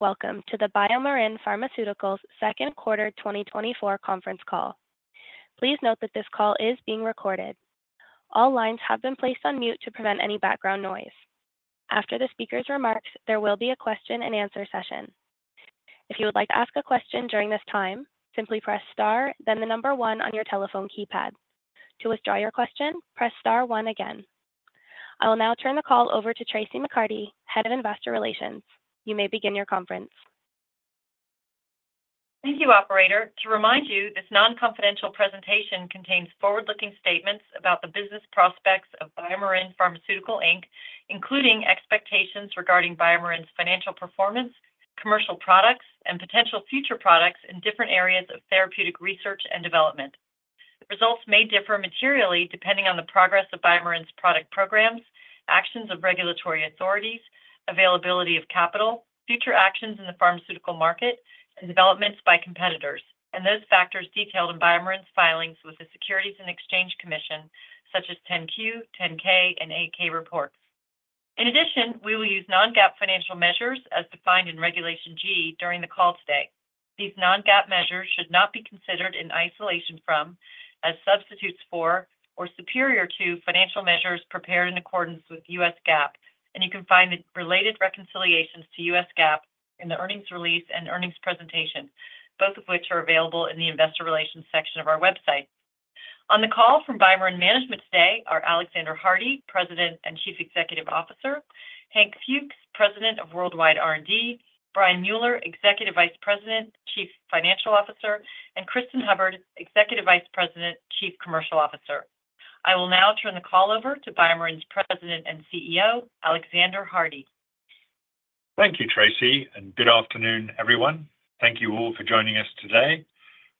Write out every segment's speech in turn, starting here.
Welcome to the BioMarin Pharmaceutical second quarter 2024 conference call. Please note that this call is being recorded. All lines have been placed on mute to prevent any background noise. After the speaker's remarks, there will be a question and answer session. If you would like to ask a question during this time, simply press Star, then the number one on your telephone keypad. To withdraw your question, press Star one again. I will now turn the call over to Traci McCarty, Head of Investor Relations. You may begin your conference. Thank you, operator. To remind you, this non-confidential presentation contains forward-looking statements about the business prospects of BioMarin Pharmaceutical Inc., including expectations regarding BioMarin's financial performance, commercial products, and potential future products in different areas of therapeutic research and development. The results may differ materially depending on the progress of BioMarin's product programs, actions of regulatory authorities, availability of capital, future actions in the pharmaceutical market, and developments by competitors, and those factors detailed in BioMarin's filings with the Securities and Exchange Commission, such as 10-Q, 10-K, and 8-K reports. In addition, we will use non-GAAP financial measures as defined in Regulation G during the call today. These non-GAAP measures should not be considered in isolation from, as substitutes for, or superior to financial measures prepared in accordance with US GAAP, and you can find the related reconciliations to US GAAP in the earnings release and earnings presentation, both of which are available in the investor relations section of our website. On the call from BioMarin management today are Alexander Hardy, President and Chief Executive Officer; Hank Fuchs, President of Worldwide R&D; Brian Mueller, Executive Vice President, Chief Financial Officer; and Cristin Hubbard, Executive Vice President, Chief Commercial Officer. I will now turn the call over to BioMarin's President and CEO, Alexander Hardy. Thank you, Tracy, and good afternoon, everyone. Thank you all for joining us today.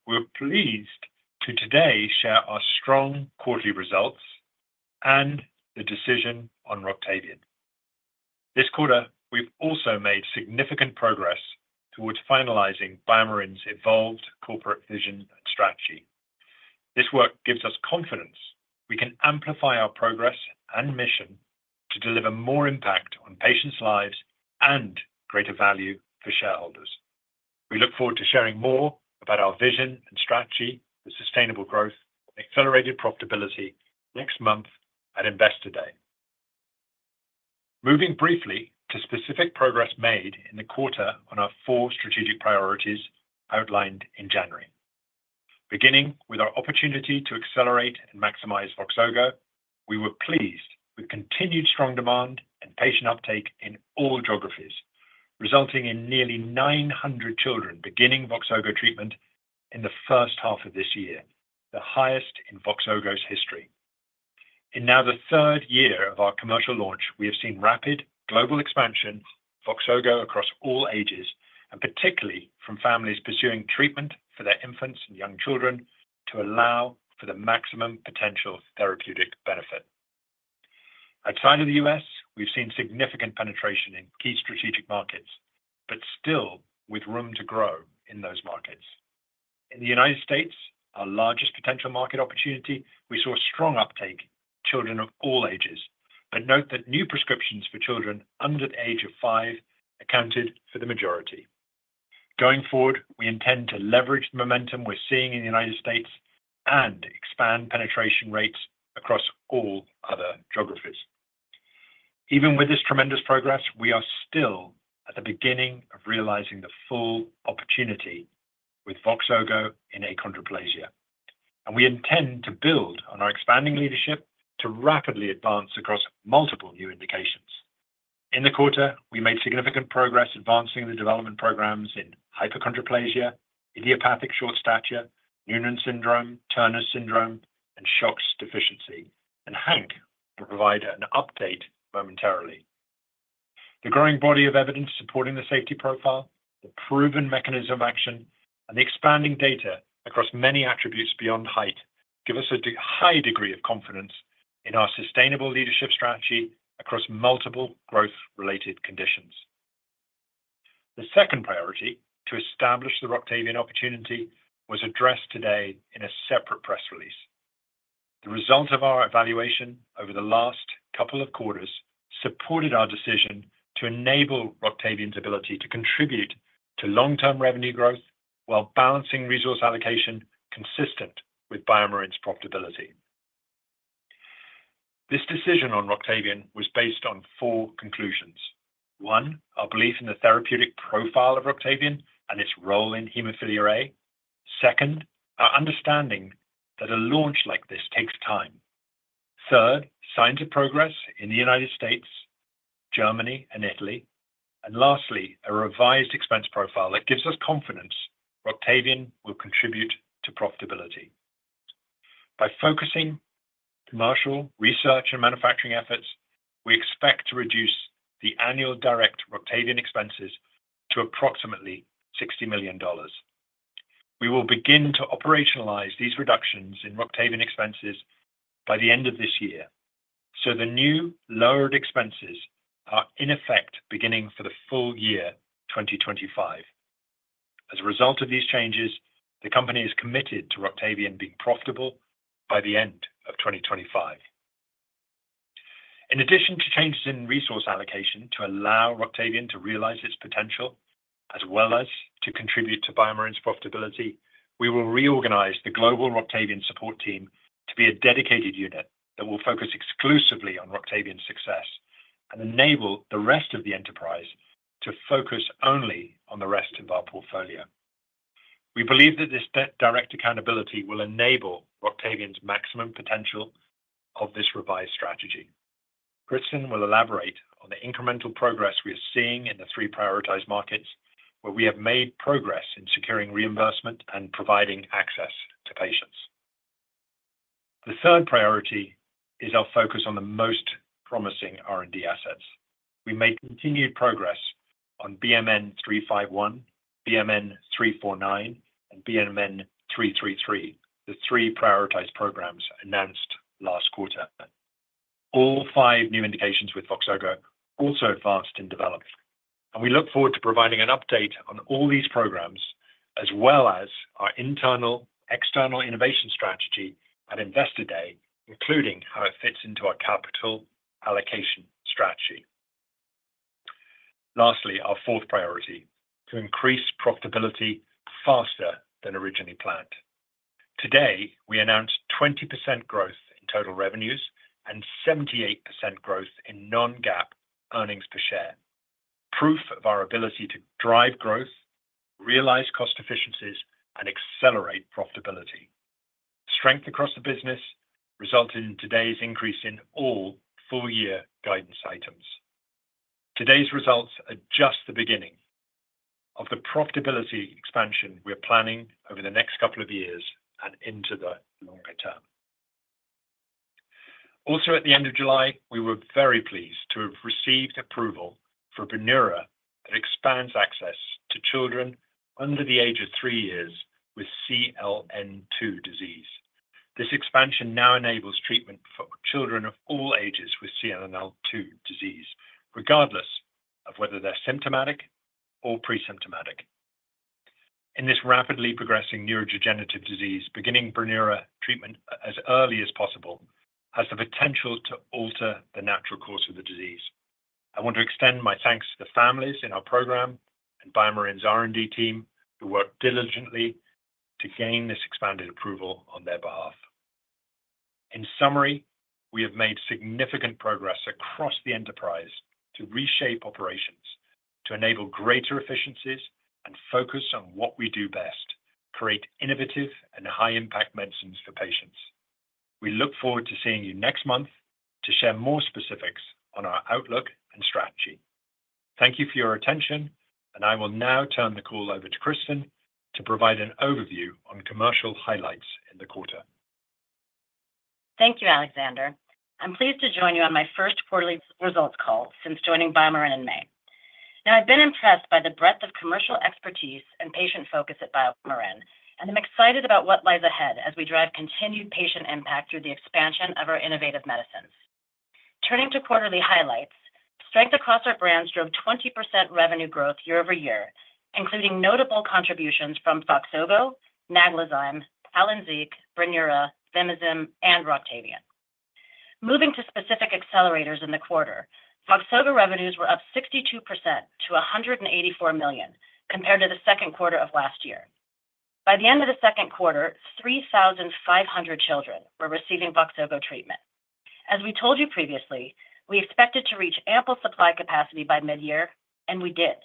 We're pleased to today share our strong quarterly results and the decision on Roctavian. This quarter, we've also made significant progress towards finalizing BioMarin's evolved corporate vision and strategy. This work gives us confidence we can amplify our progress and mission to deliver more impact on patients' lives and greater value for shareholders. We look forward to sharing more about our vision and strategy for sustainable growth and accelerated profitability next month at Investor Day. Moving briefly to specific progress made in the quarter on our four strategic priorities outlined in January. Beginning with our opportunity to accelerate and maximize Voxzogo, we were pleased with continued strong demand and patient uptake in all geographies, resulting in nearly 900 children beginning Voxzogo treatment in the first half of this year, the highest in Voxzogo's history. In now the third year of our commercial launch, we have seen rapid global expansion, Voxzogo across all ages, and particularly from families pursuing treatment for their infants and young children to allow for the maximum potential therapeutic benefit. Outside of the U.S., we've seen significant penetration in key strategic markets, but still with room to grow in those markets. In the United States, our largest potential market opportunity, we saw strong uptake children of all ages, but note that new prescriptions for children under the age of five accounted for the majority. Going forward, we intend to leverage the momentum we're seeing in the United States and expand penetration rates across all other geographies. Even with this tremendous progress, we are still at the beginning of realizing the full opportunity with Voxzogo in achondroplasia, and we intend to build on our expanding leadership to rapidly advance across multiple new indications. In the quarter, we made significant progress advancing the development programs in hypochondroplasia, idiopathic short stature, Noonan syndrome, Turner syndrome, and SHOX deficiency, and Hank will provide an update momentarily. The growing body of evidence supporting the safety profile, the proven mechanism of action, and the expanding data across many attributes beyond height, give us a high degree of confidence in our sustainable leadership strategy across multiple growth-related conditions. The second priority, to establish the Roctavian opportunity, was addressed today in a separate press release. The result of our evaluation over the last couple of quarters supported our decision to enable Roctavian's ability to contribute to long-term revenue growth while balancing resource allocation consistent with BioMarin's profitability. This decision on Roctavian was based on four conclusions. One, our belief in the therapeutic profile of Roctavian and its role in hemophilia A. Second, our understanding that a launch like this takes time. Third, signs of progress in the United States, Germany, and Italy. And lastly, a revised expense profile that gives us confidence Roctavian will contribute to profitability. By focusing commercial, research, and manufacturing efforts, we expect to reduce the annual direct Roctavian expenses to approximately $60 million. We will begin to operationalize these reductions in Roctavian expenses by the end of this year, so the new lowered expenses are in effect beginning for the full year 2025. As a result of these changes, the company is committed to Roctavian being profitable by the end of 2025. In addition to changes in resource allocation to allow Roctavian to realize its potential, as well as to contribute to BioMarin's profitability, we will reorganize the global Roctavian support team to be a dedicated unit that will focus exclusively on Roctavian success and enable the rest of the enterprise to focus only on the rest of our portfolio. We believe that this direct accountability will enable Roctavian's maximum potential of this revised strategy. Kristen will elaborate on the incremental progress we are seeing in the three prioritized markets, where we have made progress in securing reimbursement and providing access to patients. The third priority is our focus on the most promising R&D assets. We made continued progress on BMN-351, BMN-349, and BMN-333, the 3 prioritized programs announced last quarter. All 5 new indications with Voxzogo also advanced in development, and we look forward to providing an update on all these programs, as well as our internal, external innovation strategy at Investor Day, including how it fits into our capital allocation strategy. Lastly, our fourth priority: to increase profitability faster than originally planned. Today, we announced 20% growth in total revenues and 78% growth in non-GAAP earnings per share, proof of our ability to drive growth, realize cost efficiencies, and accelerate profitability. Strength across the business resulted in today's increase in all full-year guidance items. Today's results are just the beginning of the profitability expansion we're planning over the next couple of years and into the longer term. Also, at the end of July, we were very pleased to have received approval for Brineura that expands access to children under the age of three years with CLN2 disease. This expansion now enables treatment for children of all ages with CLN2 disease, regardless of whether they're symptomatic or presymptomatic. In this rapidly progressing neurodegenerative disease, beginning Brineura treatment as early as possible has the potential to alter the natural course of the disease. I want to extend my thanks to the families in our program and BioMarin's R&D team, who worked diligently to gain this expanded approval on their behalf. In summary, we have made significant progress across the enterprise to reshape operations, to enable greater efficiencies and focus on what we do best, create innovative and high-impact medicines for patients. We look forward to seeing you next month to share more specifics on our outlook and strategy. Thank you for your attention, and I will now turn the call over to Kristen to provide an overview on commercial highlights in the quarter. Thank you, Alexander. I'm pleased to join you on my first quarterly results call since joining BioMarin in May. Now, I've been impressed by the breadth of commercial expertise and patient focus at BioMarin, and I'm excited about what lies ahead as we drive continued patient impact through the expansion of our innovative medicines. Turning to quarterly highlights, strength across our brands drove 20% revenue growth year-over-year, including notable contributions from Voxzogo, Naglazyme, Palynziq, Brineura, Vimizim, and Roctavian. Moving to specific accelerators in the quarter, Voxzogo revenues were up 62% to $184 million, compared to the second quarter of last year. By the end of the second quarter, 3,500 children were receiving Voxzogo treatment. As we told you previously, we expected to reach ample supply capacity by mid-year, and we did.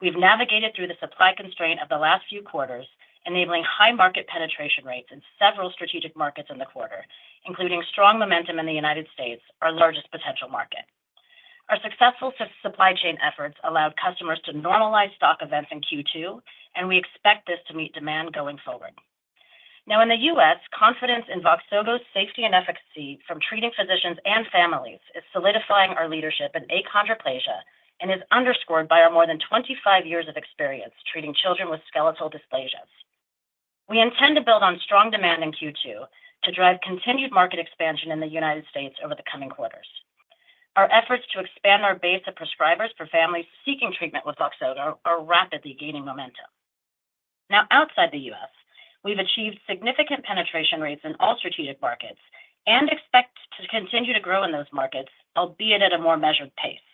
We've navigated through the supply constraint of the last few quarters, enabling high market penetration rates in several strategic markets in the quarter, including strong momentum in the United States, our largest potential market. Our successful supply chain efforts allowed customers to normalize stock events in Q2, and we expect this to meet demand going forward. Now, in the U.S., confidence in Voxzogo's safety and efficacy from treating physicians and families is solidifying our leadership in achondroplasia and is underscored by our more than 25 years of experience treating children with skeletal dysplasias. We intend to build on strong demand in Q2 to drive continued market expansion in the United States over the coming quarters. Our efforts to expand our base of prescribers for families seeking treatment with Voxzogo are rapidly gaining momentum. Now, outside the U.S., we've achieved significant penetration rates in all strategic markets and expect to continue to grow in those markets, albeit at a more measured pace.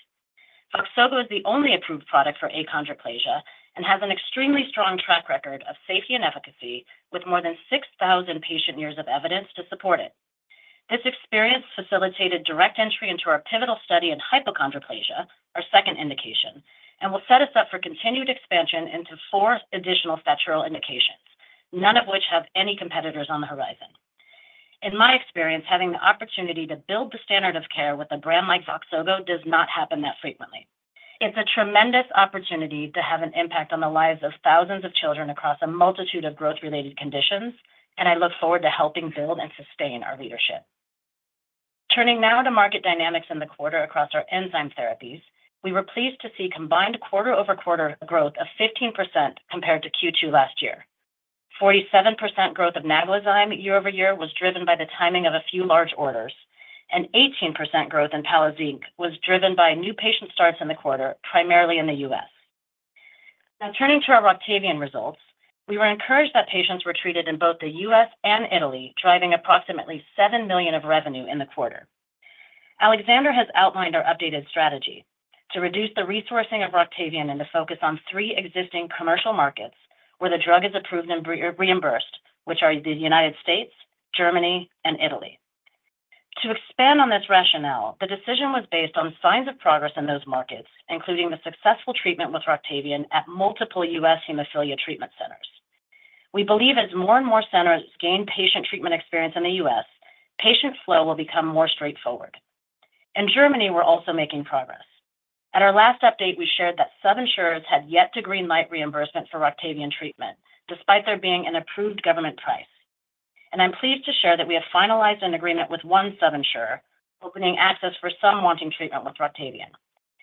Voxzogo is the only approved product for achondroplasia and has an extremely strong track record of safety and efficacy, with more than 6,000 patient-years of evidence to support it. This experience facilitated direct entry into our pivotal study in hypochondroplasia, our second indication, and will set us up for continued expansion into four additional federal indications, none of which have any competitors on the horizon. In my experience, having the opportunity to build the standard of care with a brand like Voxzogo does not happen that frequently. It's a tremendous opportunity to have an impact on the lives of thousands of children across a multitude of growth-related conditions, and I look forward to helping build and sustain our leadership. Turning now to market dynamics in the quarter across our enzyme therapies, we were pleased to see combined quarter-over-quarter growth of 15% compared to Q2 last year. 47% growth of Naglazyme year-over-year was driven by the timing of a few large orders, and 18% growth in Palynziq was driven by new patient starts in the quarter, primarily in the U.S. Now, turning to our Roctavian results, we were encouraged that patients were treated in both the U.S. and Italy, driving approximately $7 million of revenue in the quarter. Alexander has outlined our updated strategy to reduce the resourcing of Roctavian and to focus on three existing commercial markets where the drug is approved and reimbursed, which are the United States, Germany, and Italy. To expand on this rationale, the decision was based on signs of progress in those markets, including the successful treatment with Roctavian at multiple U.S. hemophilia treatment centers. We believe as more and more centers gain patient treatment experience in the U.S., patient flow will become more straightforward. In Germany, we're also making progress. At our last update, we shared that sub-insurers had yet to green-light reimbursement for Roctavian treatment, despite there being an approved government price. I'm pleased to share that we have finalized an agreement with one sub-insurer, opening access for some wanting treatment with Roctavian,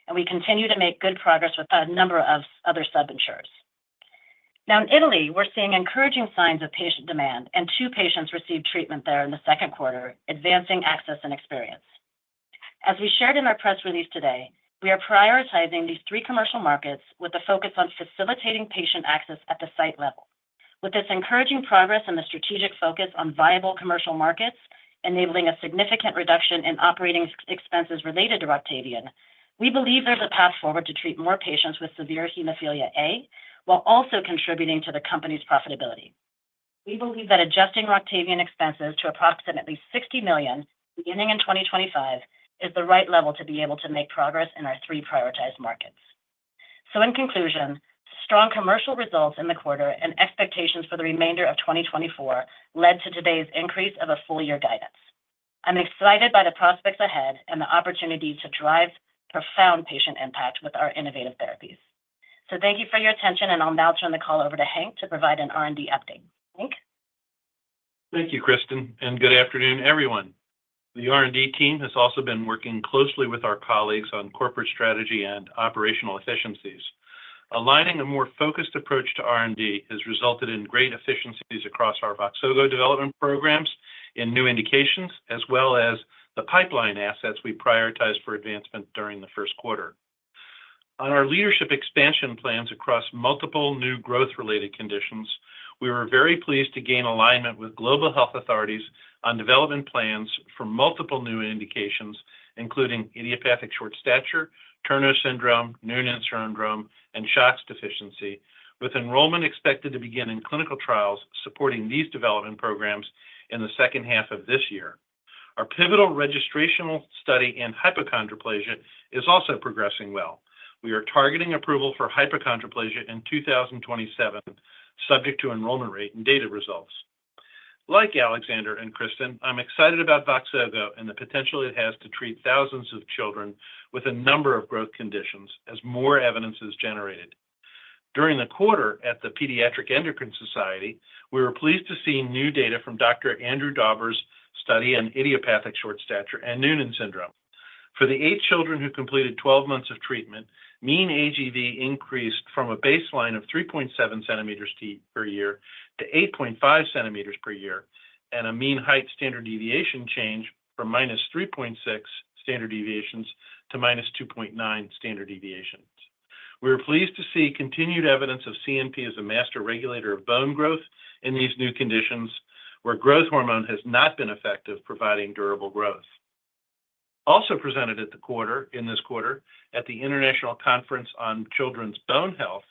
and we continue to make good progress with a number of other sub-insurers. Now, in Italy, we're seeing encouraging signs of patient demand, and two patients received treatment there in the second quarter, advancing access and experience. As we shared in our press release today, we are prioritizing these three commercial markets with a focus on facilitating patient access at the site level. With this encouraging progress and the strategic focus on viable commercial markets, enabling a significant reduction in operating expenses related to Roctavian, we believe there's a path forward to treat more patients with severe hemophilia A, while also contributing to the company's profitability. We believe that adjusting Roctavian expenses to approximately $60 million, beginning in 2025, is the right level to be able to make progress in our three prioritized markets. So in conclusion, strong commercial results in the quarter and expectations for the remainder of 2024 led to today's increase of a full year guidance. I'm excited by the prospects ahead and the opportunity to drive profound patient impact with our innovative therapies. Thank you for your attention, and I'll now turn the call over to Hank to provide an R&D update. Hank? Thank you, Kristen, and good afternoon, everyone. The R&D team has also been working closely with our colleagues on corporate strategy and operational efficiencies. Aligning a more focused approach to R&D has resulted in great efficiencies across our Voxzogo development programs in new indications, as well as the pipeline assets we prioritized for advancement during the first quarter. On our leadership expansion plans across multiple new growth-related conditions, we were very pleased to gain alignment with global health authorities on development plans for multiple new indications, including idiopathic short stature, Turner syndrome, Noonan syndrome, and SHOX deficiency, with enrollment expected to begin in clinical trials supporting these development programs in the second half of this year. Our pivotal registrational study in hypochondroplasia is also progressing well. We are targeting approval for hypochondroplasia in 2027, subject to enrollment rate and data results. Like Alexander and Kristen, I'm excited about Voxzogo and the potential it has to treat thousands of children with a number of growth conditions as more evidence is generated. During the quarter at the Pediatric Endocrine Society, we were pleased to see new data from Dr. Andrew Dauber's study on idiopathic short stature and Noonan syndrome. For the eight children who completed 12 months of treatment, mean AGV increased from a baseline of 3.7 centimeters per year to 8.5 centimeters per year, and a mean height standard deviation change from minus 3.6 standard deviations to minus 2.9 standard deviations. We are pleased to see continued evidence of CNP as a master regulator of bone growth in these new conditions, where growth hormone has not been effective, providing durable growth. Also presented in this quarter at the International Conference on Children's Bone Health,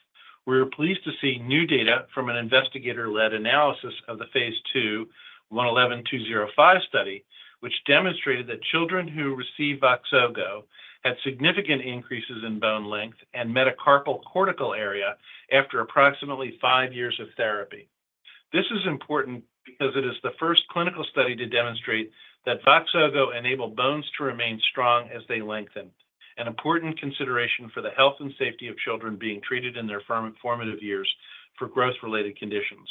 we were pleased to see new data from an investigator-led analysis of the Phase 2, 111-205 study, which demonstrated that children who received Voxzogo had significant increases in bone length and metacarpal cortical area after approximately five years of therapy. This is important because it is the first clinical study to demonstrate that Voxzogo enabled bones to remain strong as they lengthen, an important consideration for the health and safety of children being treated in their formative years for growth-related conditions.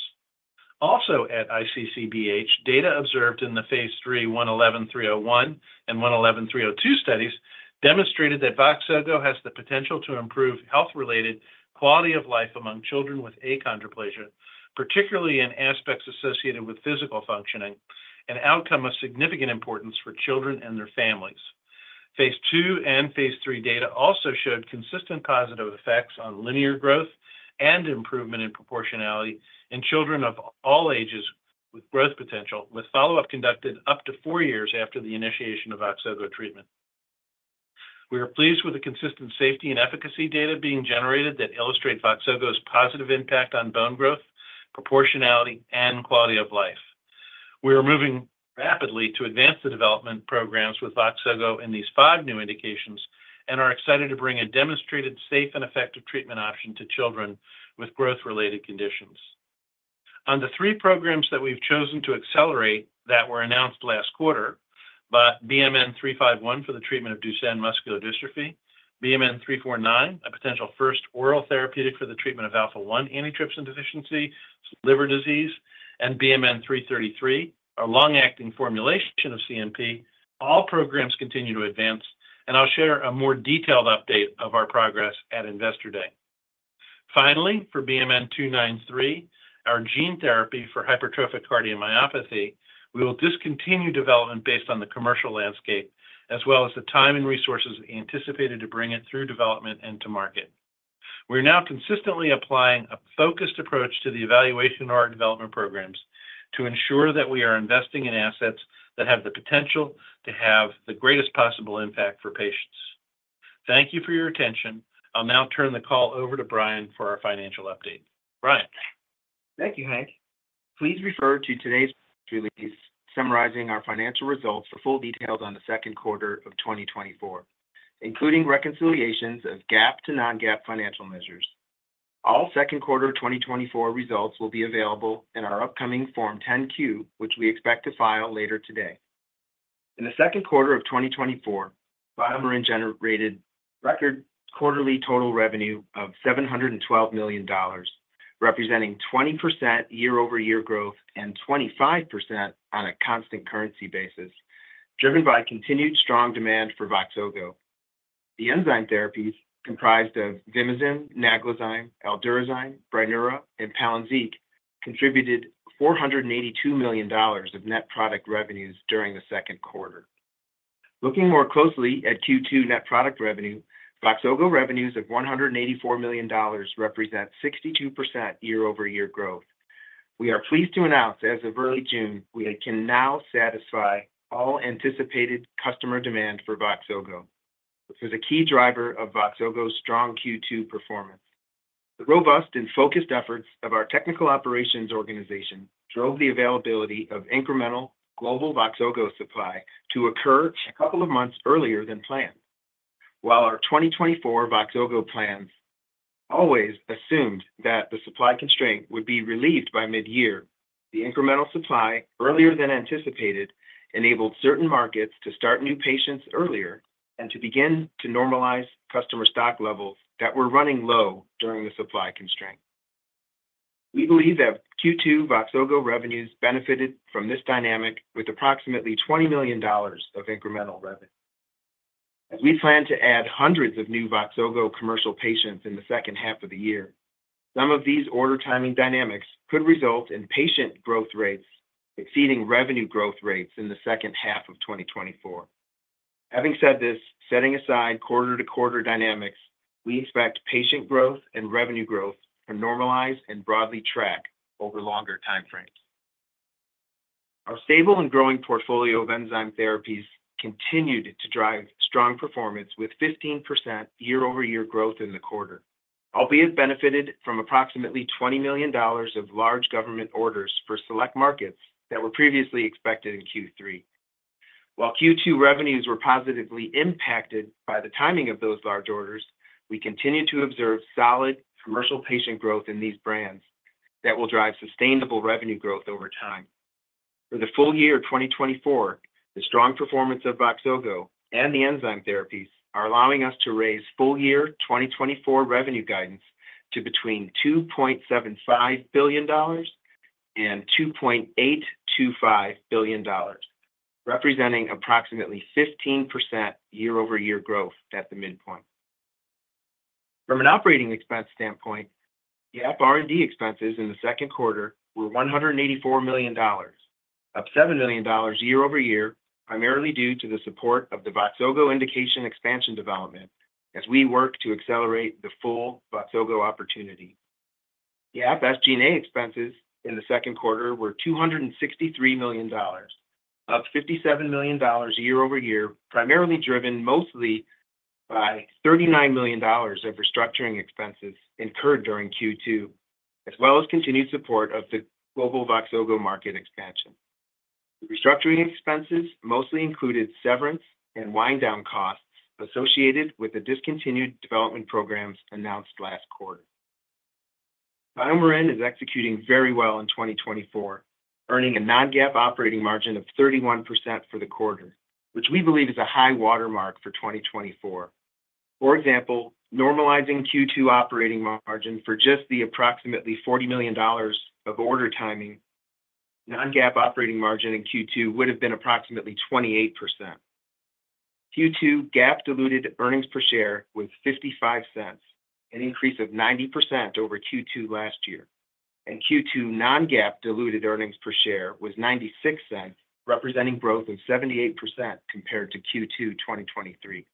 Also, at ICCBH, data observed in the phase 3, 111-301 and 111-302 studies demonstrated that Voxzogo has the potential to improve health-related quality of life among children with achondroplasia, particularly in aspects associated with physical functioning, an outcome of significant importance for children and their families. Phase 2 and phase 3 data also showed consistent positive effects on linear growth and improvement in proportionality in children of all ages with growth potential, with follow-up conducted up to four years after the initiation of Voxzogo treatment. We are pleased with the consistent safety and efficacy data being generated that illustrate Voxzogo's positive impact on bone growth, proportionality, and quality of life. We are moving rapidly to advance the development programs with Voxzogo in these 5 new indications and are excited to bring a demonstrated, safe, and effective treatment option to children with growth-related conditions. On the 3 programs that we've chosen to accelerate that were announced last quarter, but BMN 351 for the treatment of Duchenne muscular dystrophy, BMN 349, a potential first oral therapeutic for the treatment of alpha-1 antitrypsin deficiency, liver disease, and BMN 333, our long-acting formulation of CNP, all programs continue to advance, and I'll share a more detailed update of our progress at Investor Day. Finally, for BMN 293, our gene therapy for hypertrophic cardiomyopathy, we will discontinue development based on the commercial landscape, as well as the time and resources anticipated to bring it through development and to market. We're now consistently applying a focused approach to the evaluation of our development programs to ensure that we are investing in assets that have the potential to have the greatest possible impact for patients. Thank you for your attention. I'll now turn the call over to Brian for our financial update. Brian? Thank you, Hank. Please refer to today's release summarizing our financial results for full details on the second quarter of 2024, including reconciliations of GAAP to non-GAAP financial measures. All second quarter 2024 results will be available in our upcoming Form 10-Q, which we expect to file later today. In the second quarter of 2024, BioMarin generated record quarterly total revenue of $712 million, representing 20% year-over-year growth and 25% on a constant currency basis, driven by continued strong demand for Voxzogo. The enzyme therapies, comprised of Vimizim, Naglazyme, Aldurazyme, Brineura, and Palynziq, contributed $482 million of net product revenues during the second quarter. Looking more closely at Q2 net product revenue, Voxzogo revenues of $184 million represent 62% year-over-year growth. We are pleased to announce, as of early June, we can now satisfy all anticipated customer demand for Voxzogo, which is a key driver of Voxzogo's strong Q2 performance. The robust and focused efforts of our technical operations organization drove the availability of incremental global Voxzogo supply to occur a couple of months earlier than planned. While our 2024 Voxzogo plans always assumed that the supply constraint would be relieved by mid-year, the incremental supply, earlier than anticipated, enabled certain markets to start new patients earlier and to begin to normalize customer stock levels that were running low during the supply constraint. We believe that Q2 Voxzogo revenues benefited from this dynamic with approximately $20 million of incremental revenue. As we plan to add hundreds of new Voxzogo commercial patients in the second half of the year, some of these order timing dynamics could result in patient growth rates exceeding revenue growth rates in the second half of 2024. Having said this, setting aside quarter-to-quarter dynamics, we expect patient growth and revenue growth to normalize and broadly track over longer time frames. Our stable and growing portfolio of enzyme therapies continued to drive strong performance, with 15% year-over-year growth in the quarter, albeit benefited from approximately $20 million of large government orders for select markets that were previously expected in Q3. While Q2 revenues were positively impacted by the timing of those large orders, we continue to observe solid commercial patient growth in these brands that will drive sustainable revenue growth over time. For the full year of 2024, the strong performance of Voxzogo and the enzyme therapies are allowing us to raise full-year 2024 revenue guidance to between $2.75 billion and $2.825 billion, representing approximately 15% year-over-year growth at the midpoint. From an operating expense standpoint, GAAP R&D expenses in the second quarter were $184 million, up $7 million year-over-year, primarily due to the support of the Voxzogo indication expansion development as we work to accelerate the full Voxzogo opportunity. GAAP SG&A expenses in the second quarter were $263 million, up $57 million year-over-year, primarily driven mostly by $39 million of restructuring expenses incurred during Q2, as well as continued support of the global Voxzogo market expansion. The restructuring expenses mostly included severance and wind down costs associated with the discontinued development programs announced last quarter. BioMarin is executing very well in 2024, earning a non-GAAP operating margin of 31% for the quarter, which we believe is a high watermark for 2024. For example, normalizing Q2 operating margin for just the approximately $40 million of order timing, non-GAAP operating margin in Q2 would have been approximately 28%. Q2 GAAP diluted earnings per share was $0.55, an increase of 90% over Q2 last year, and Q2 non-GAAP diluted earnings per share was $0.96, representing growth of 78% compared to Q2 2023.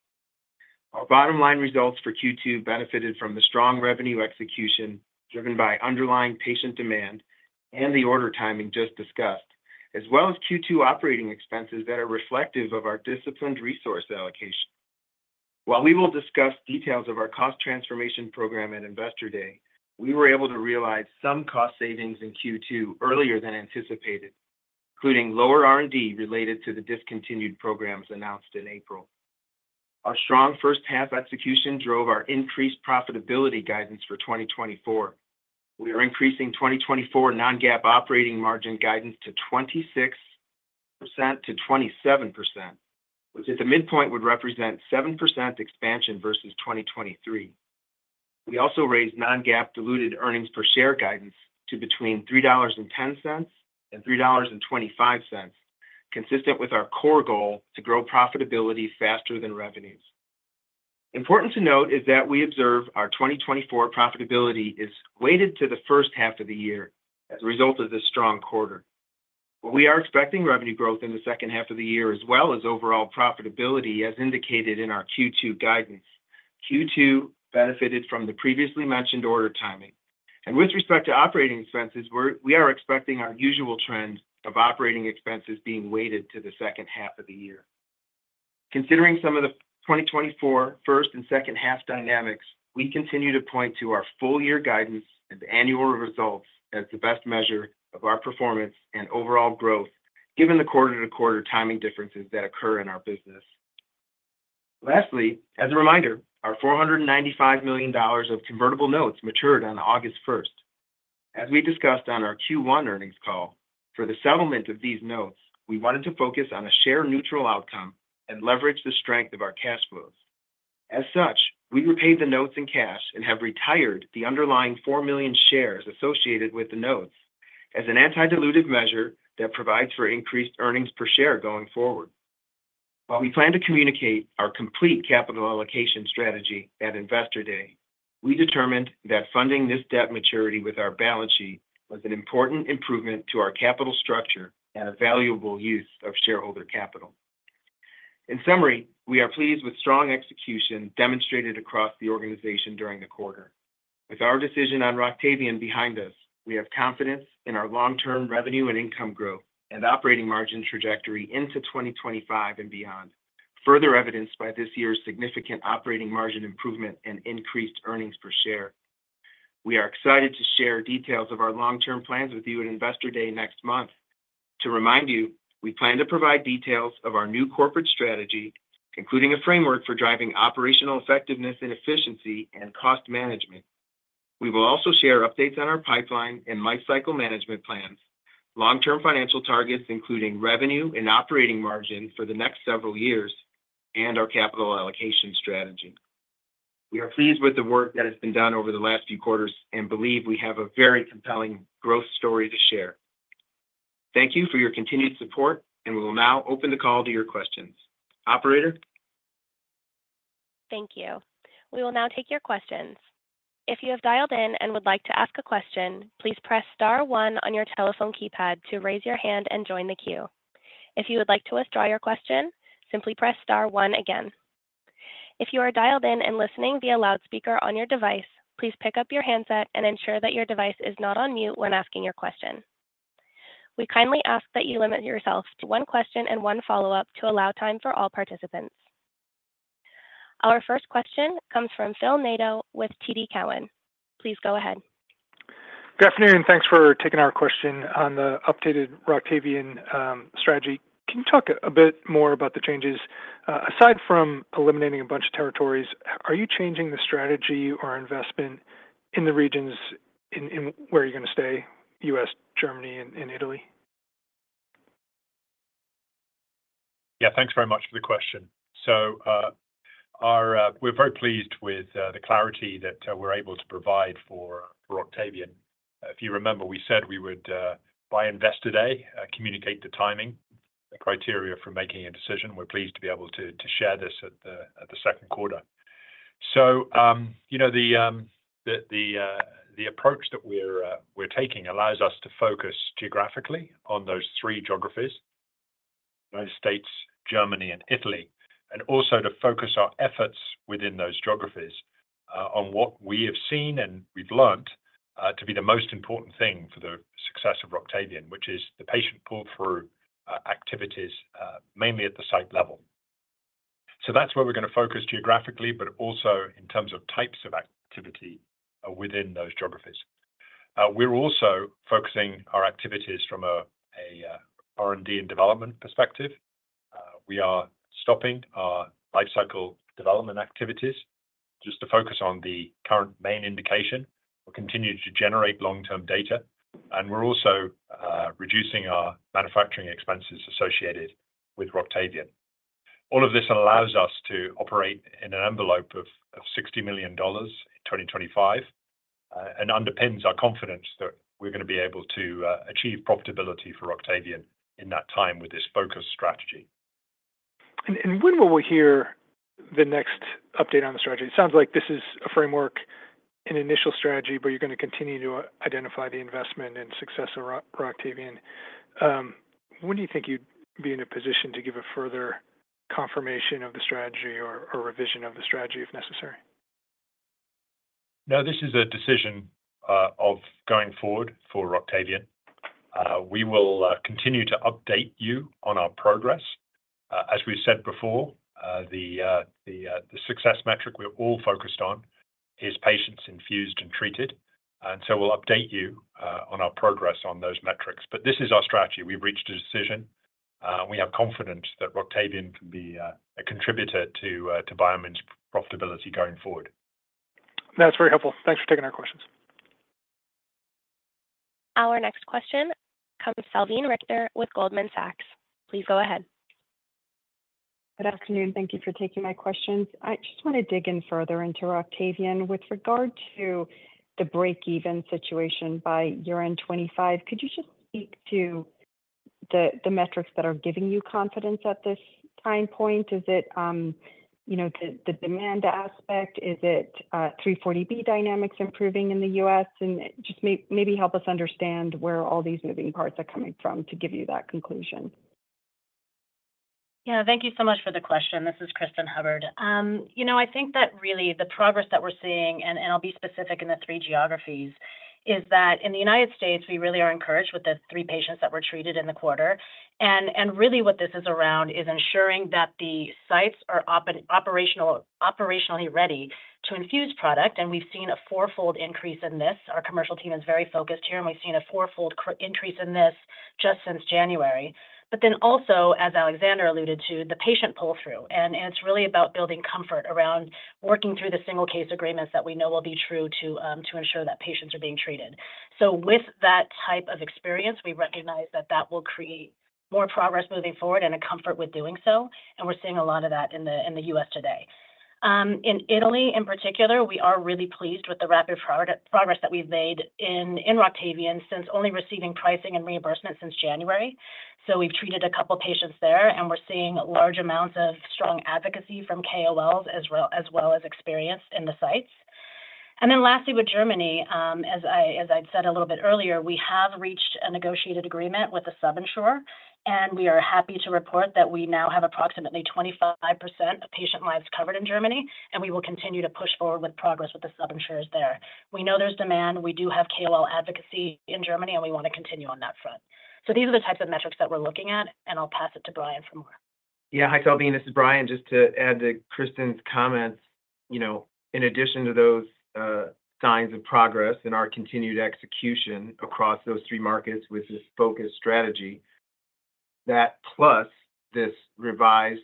Our bottom line results for Q2 benefited from the strong revenue execution, driven by underlying patient demand and the order timing just discussed, as well as Q2 operating expenses that are reflective of our disciplined resource allocation. While we will discuss details of our cost transformation program at Investor Day, we were able to realize some cost savings in Q2 earlier than anticipated, including lower R&D related to the discontinued programs announced in April. Our strong first half execution drove our increased profitability guidance for 2024. We are increasing 2024 non-GAAP operating margin guidance to 26%-27%, which at the midpoint would represent 7% expansion versus 2023. We also raised non-GAAP diluted earnings per share guidance to between $3.10 and $3.25, consistent with our core goal to grow profitability faster than revenues. Important to note is that we observe our 2024 profitability is weighted to the first half of the year as a result of this strong quarter. We are expecting revenue growth in the second half of the year, as well as overall profitability, as indicated in our Q2 guidance. Q2 benefited from the previously mentioned order timing. With respect to operating expenses, we are expecting our usual trends of operating expenses being weighted to the second half of the year. Considering some of the 2024 first and second half dynamics, we continue to point to our full year guidance and annual results as the best measure of our performance and overall growth, given the quarter-to-quarter timing differences that occur in our business. Lastly, as a reminder, our $495 million of convertible notes matured on August 1. As we discussed on our Q1 earnings call, for the settlement of these notes, we wanted to focus on a share neutral outcome and leverage the strength of our cash flows. As such, we repaid the notes in cash and have retired the underlying four million shares associated with the notes as an anti-dilutive measure that provides for increased earnings per share going forward. While we plan to communicate our complete capital allocation strategy at Investor Day, we determined that funding this debt maturity with our balance sheet was an important improvement to our capital structure and a valuable use of shareholder capital. In summary, we are pleased with strong execution demonstrated across the organization during the quarter. With our decision on Roctavian behind us, we have confidence in our long-term revenue and income growth and operating margin trajectory into 2025 and beyond. Further evidenced by this year's significant operating margin improvement and increased earnings per share. We are excited to share details of our long-term plans with you at Investor Day next month. To remind you, we plan to provide details of our new corporate strategy, including a framework for driving operational effectiveness and efficiency and cost management. We will also share updates on our pipeline and lifecycle management plans, long-term financial targets, including revenue and operating margin for the next several years, and our capital allocation strategy. We are pleased with the work that has been done over the last few quarters and believe we have a very compelling growth story to share. Thank you for your continued support, and we will now open the call to your questions. Operator? Thank you. We will now take your questions. If you have dialed in and would like to ask a question, please press star one on your telephone keypad to raise your hand and join the queue. If you would like to withdraw your question, simply press star one again. If you are dialed in and listening via loudspeaker on your device, please pick up your handset and ensure that your device is not on mute when asking your question. We kindly ask that you limit yourself to one question and one follow-up to allow time for all participants. Our first question comes from Phil Nadeau with TD Cowen. Please go ahead. Good afternoon, thanks for taking our question on the updated Roctavian strategy. Can you talk a bit more about the changes? Aside from eliminating a bunch of territories, are you changing the strategy or investment in the regions where you're going to stay, U.S., Germany, and Italy? Yeah, thanks very much for the question. So, our, we're very pleased with the clarity that we're able to provide for Roctavian. If you remember, we said we would, by Investor Day, communicate the timing, the criteria for making a decision. We're pleased to be able to share this at the second quarter. So, you know, the approach that we're taking allows us to focus geographically on those three geographies: United States, Germany, and Italy. And also to focus our efforts within those geographies, on what we have seen and we've learned to be the most important thing for the success of Roctavian, which is the patient pull through activities, mainly at the site level. So that's where we're going to focus geographically, but also in terms of types of activity, within those geographies. We're also focusing our activities from a R&D and development perspective. We are stopping our life cycle development activities just to focus on the current main indication. We're continuing to generate long-term data, and we're also reducing our manufacturing expenses associated with Roctavian. All of this allows us to operate in an envelope of $60 million in 2025, and underpins our confidence that we're going to be able to achieve profitability for Roctavian in that time with this focus strategy. When will we hear the next update on the strategy? It sounds like this is a framework, an initial strategy, but you're going to continue to identify the investment and success of Roctavian. When do you think you'd be in a position to give a further confirmation of the strategy or revision of the strategy, if necessary? No, this is a decision of going forward for Roctavian. We will continue to update you on our progress. As we've said before, the success metric we're all focused on is patients infused and treated, and so we'll update you on our progress on those metrics. But this is our strategy. We've reached a decision, we have confidence that Roctavian can be a contributor to BioMarin's profitability going forward. That's very helpful. Thanks for taking our questions. Our next question comes from Salveen Richter with Goldman Sachs. Please go ahead. Good afternoon. Thank you for taking my questions. I just want to dig in further into Roctavian. With regard to the break-even situation by year-end 2025, could you just speak to the, the metrics that are giving you confidence at this time point? Is it, you know, the, the demand aspect? Is it, 340B dynamics improving in the US? And just maybe help us understand where all these moving parts are coming from to give you that conclusion. ... Yeah, thank you so much for the question. This is Kristen Hubbard. You know, I think that really the progress that we're seeing, and I'll be specific in the three geographies, is that in the United States, we really are encouraged with the three patients that were treated in the quarter. And really what this is around is ensuring that the sites are operationally ready to infuse product, and we've seen a fourfold increase in this. Our commercial team is very focused here, and we've seen a fourfold increase in this just since January. But then also, as Alexander alluded to, the patient pull-through, and it's really about building comfort around working through the single case agreements that we know will be true to ensure that patients are being treated. So with that type of experience, we recognize that that will create more progress moving forward and a comfort with doing so, and we're seeing a lot of that in the U.S. today. In Italy, in particular, we are really pleased with the rapid progress that we've made in Roctavian since only receiving pricing and reimbursement since January. So we've treated a couple patients there, and we're seeing large amounts of strong advocacy from KOLs, as well, as well as experience in the sites. And then lastly, with Germany, as I'd said a little bit earlier, we have reached a negotiated agreement with the sickness insurer, and we are happy to report that we now have approximately 25% of patient lives covered in Germany, and we will continue to push forward with progress with the sickness insurers there. We know there's demand. We do have KOL advocacy in Germany, and we wanna continue on that front. These are the types of metrics that we're looking at, and I'll pass it to Brian for more. Yeah. Hi, Sabine, this is Brian. Just to add to Kristen's comments, you know, in addition to those, signs of progress and our continued execution across those three markets with this focused strategy, that plus this revised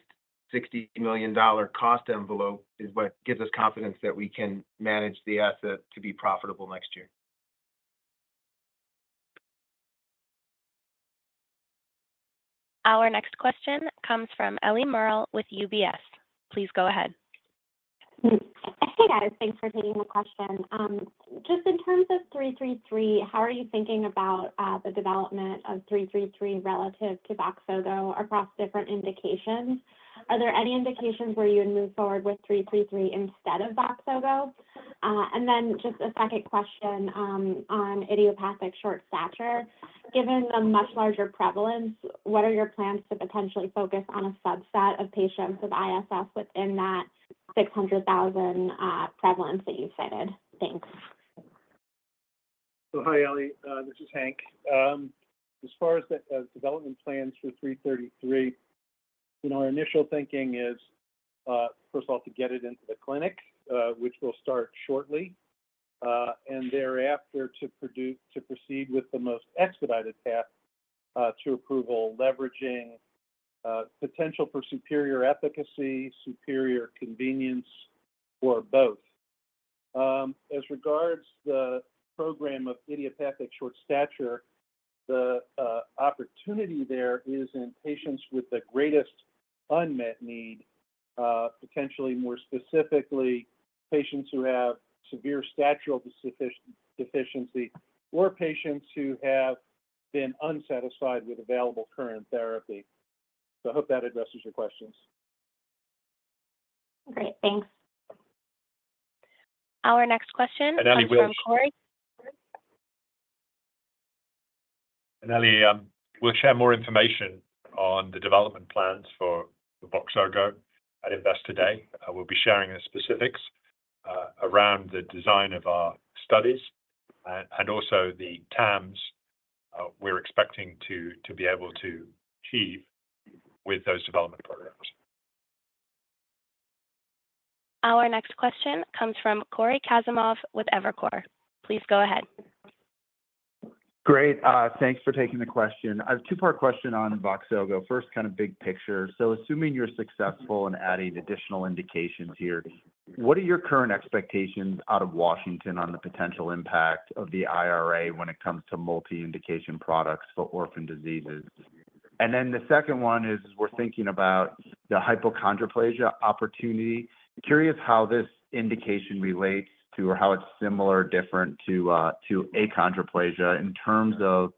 $60 million cost envelope is what gives us confidence that we can manage the asset to be profitable next year. Our next question comes from Ellie Merle with UBS. Please go ahead. Hey, guys. Thanks for taking the question. Just in terms of 333 how are you thinking about the development of 333 relative to Voxzogo across different indications? Are there any indications where you would move forward with 333 instead of Voxzogo? And then just a second question, on idiopathic short stature. Given the much larger prevalence, what are your plans to potentially focus on a subset of patients with ISS within that 600,000 prevalence that you've cited? Thanks. So hi, Ellie. This is Hank. As far as the development plans for 333, you know, our initial thinking is, first of all, to get it into the clinic, which will start shortly, and thereafter, to produce- to proceed with the most expedited path to approval, leveraging potential for superior efficacy, superior convenience, or both. As regards the program of idiopathic short stature, the opportunity there is in patients with the greatest unmet need, potentially more specifically, patients who have severe statural deficiency or patients who have been unsatisfied with available current therapy. So I hope that addresses your questions. Great. Thanks. Our next question- Ellie, we'll- From Corey. And Ellie, we'll share more information on the development plans for the Voxzogo at Investor Day. I will be sharing the specifics around the design of our studies and also the TAMS we're expecting to be able to achieve with those development programs. Our next question comes from Cory Kasimov with Evercore. Please go ahead. Great. Thanks for taking the question. A two-part question on Voxzogo. First, kind of big picture. So assuming you're successful in adding additional indications here, what are your current expectations out of Washington on the potential impact of the IRA when it comes to multi-indication products for orphan diseases? And then the second one is, we're thinking about the hypochondroplasia opportunity. Curious how this indication relates to or how it's similar or different to, to achondroplasia in terms of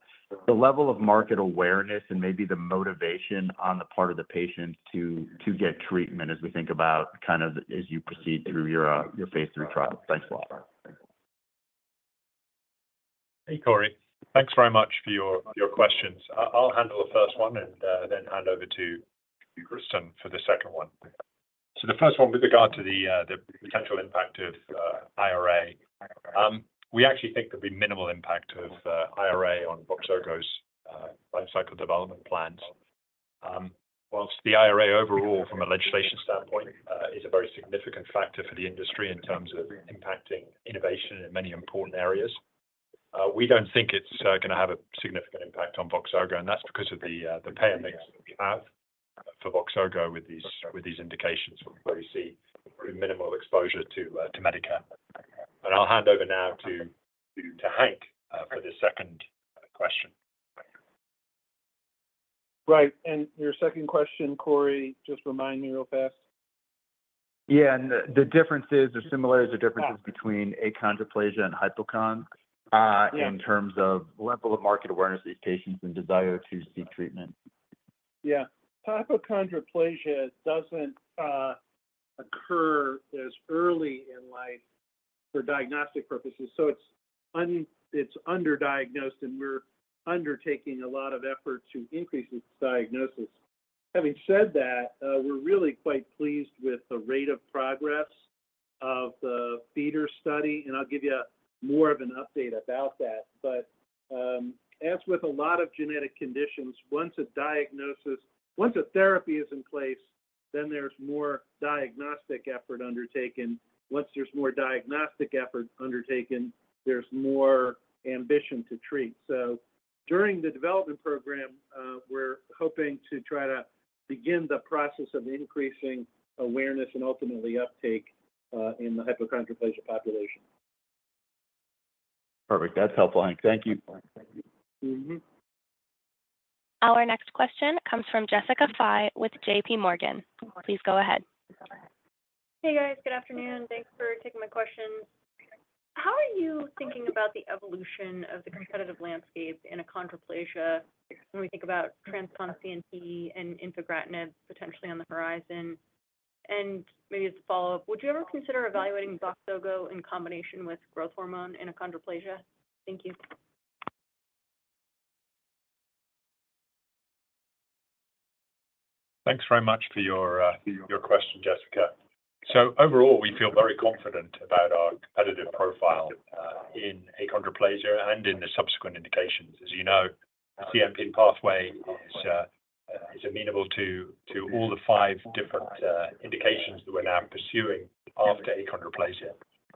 the level of market awareness and maybe the motivation on the part of the patient to, to get treatment, as we think about kind of, as you proceed through your, your phase III trial. Thanks a lot. Hey, Cory. Thanks very much for your questions. I'll handle the first one and then hand over to Kristen for the second one. So the first one, with regard to the potential impact of IRA, we actually think there'll be minimal impact of IRA on Voxzogo's lifecycle development plans. While the IRA overall, from a legislation standpoint, is a very significant factor for the industry in terms of impacting innovation in many important areas, we don't think it's gonna have a significant impact on Voxzogo, and that's because of the payer mix that we have for Voxzogo with these indications, where we see minimal exposure to Medicare. And I'll hand over now to Hank for the second question. Right, and your second question, Cory, just remind me real fast. Yeah, and the differences or similarities or differences between achondroplasia and hypochondroplasia Yeah... in terms of level of market awareness of these patients and desire to seek treatment. Yeah. Hypochondroplasia doesn't occur as early in life for diagnostic purposes. So it's underdiagnosed, and we're undertaking a lot of effort to increase its diagnosis. Having said that, we're really quite pleased with the rate of progress of the Pheeder study, and I'll give you more of an update about that. But as with a lot of genetic conditions, once a diagnosis once a therapy is in place, then there's more diagnostic effort undertaken. Once there's more diagnostic effort undertaken, there's more ambition to treat. So during the development program, we're hoping to try to begin the process of increasing awareness and ultimately uptake in the hypochondroplasia population. Perfect. That's helpful, Hank. Thank you. Mm-hmm. Our next question comes from Jessica Fye with J.P. Morgan. Please go ahead. Hey, guys. Good afternoon. Thanks for taking my question. How are you thinking about the evolution of the competitive landscape in achondroplasia when we think about TransCon CNP and infigratinib potentially on the horizon? And maybe as a follow-up, would you ever consider evaluating Voxzogo in combination with growth hormone in achondroplasia? Thank you. Thanks very much for your, your question, Jessica. So overall, we feel very confident about our competitive profile in achondroplasia and in the subsequent indications. As you know, CNP pathway is amenable to all the five different indications that we're now pursuing after achondroplasia.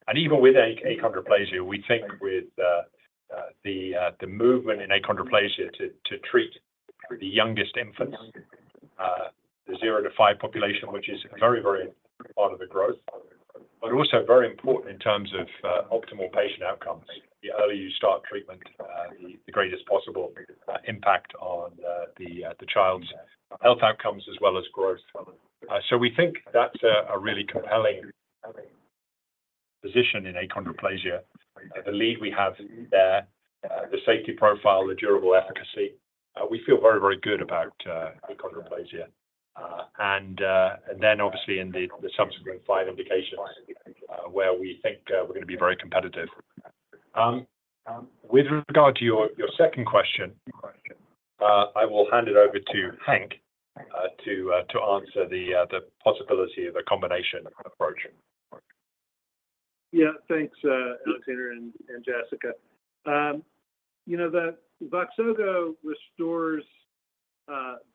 And even with achondroplasia, we think with the movement in achondroplasia to treat the youngest infants, the zero to five population, which is very, very part of the growth, but also very important in terms of optimal patient outcomes. The earlier you start treatment, the greatest possible impact on the child's health outcomes as well as growth. So we think that's a really compelling position in achondroplasia. The lead we have there, the safety profile, the durable efficacy, we feel very, very good about achondroplasia. And then obviously in the subsequent five indications, where we think we're gonna be very competitive. With regard to your second question, I will hand it over to Hank to answer the possibility of a combination approach. Yeah. Thanks, Alexander and Jessica. You know, the Voxzogo restores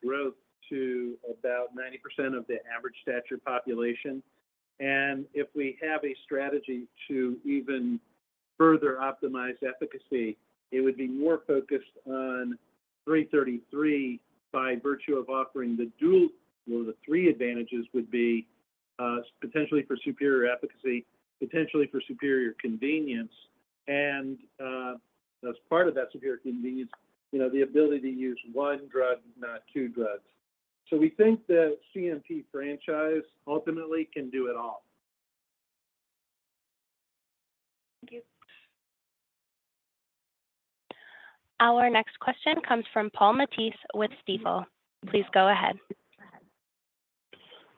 growth to about 90% of the average stature population, and if we have a strategy to even further optimize efficacy, it would be more focused on 333 by virtue of offering the dual- well, the three advantages would be potentially for superior efficacy, potentially for superior convenience, and as part of that superior convenience, you know, the ability to use one drug, not two drugs. So we think the CNP franchise ultimately can do it all. Thank you. Our next question comes from Paul Matteis with Stifel. Please go ahead.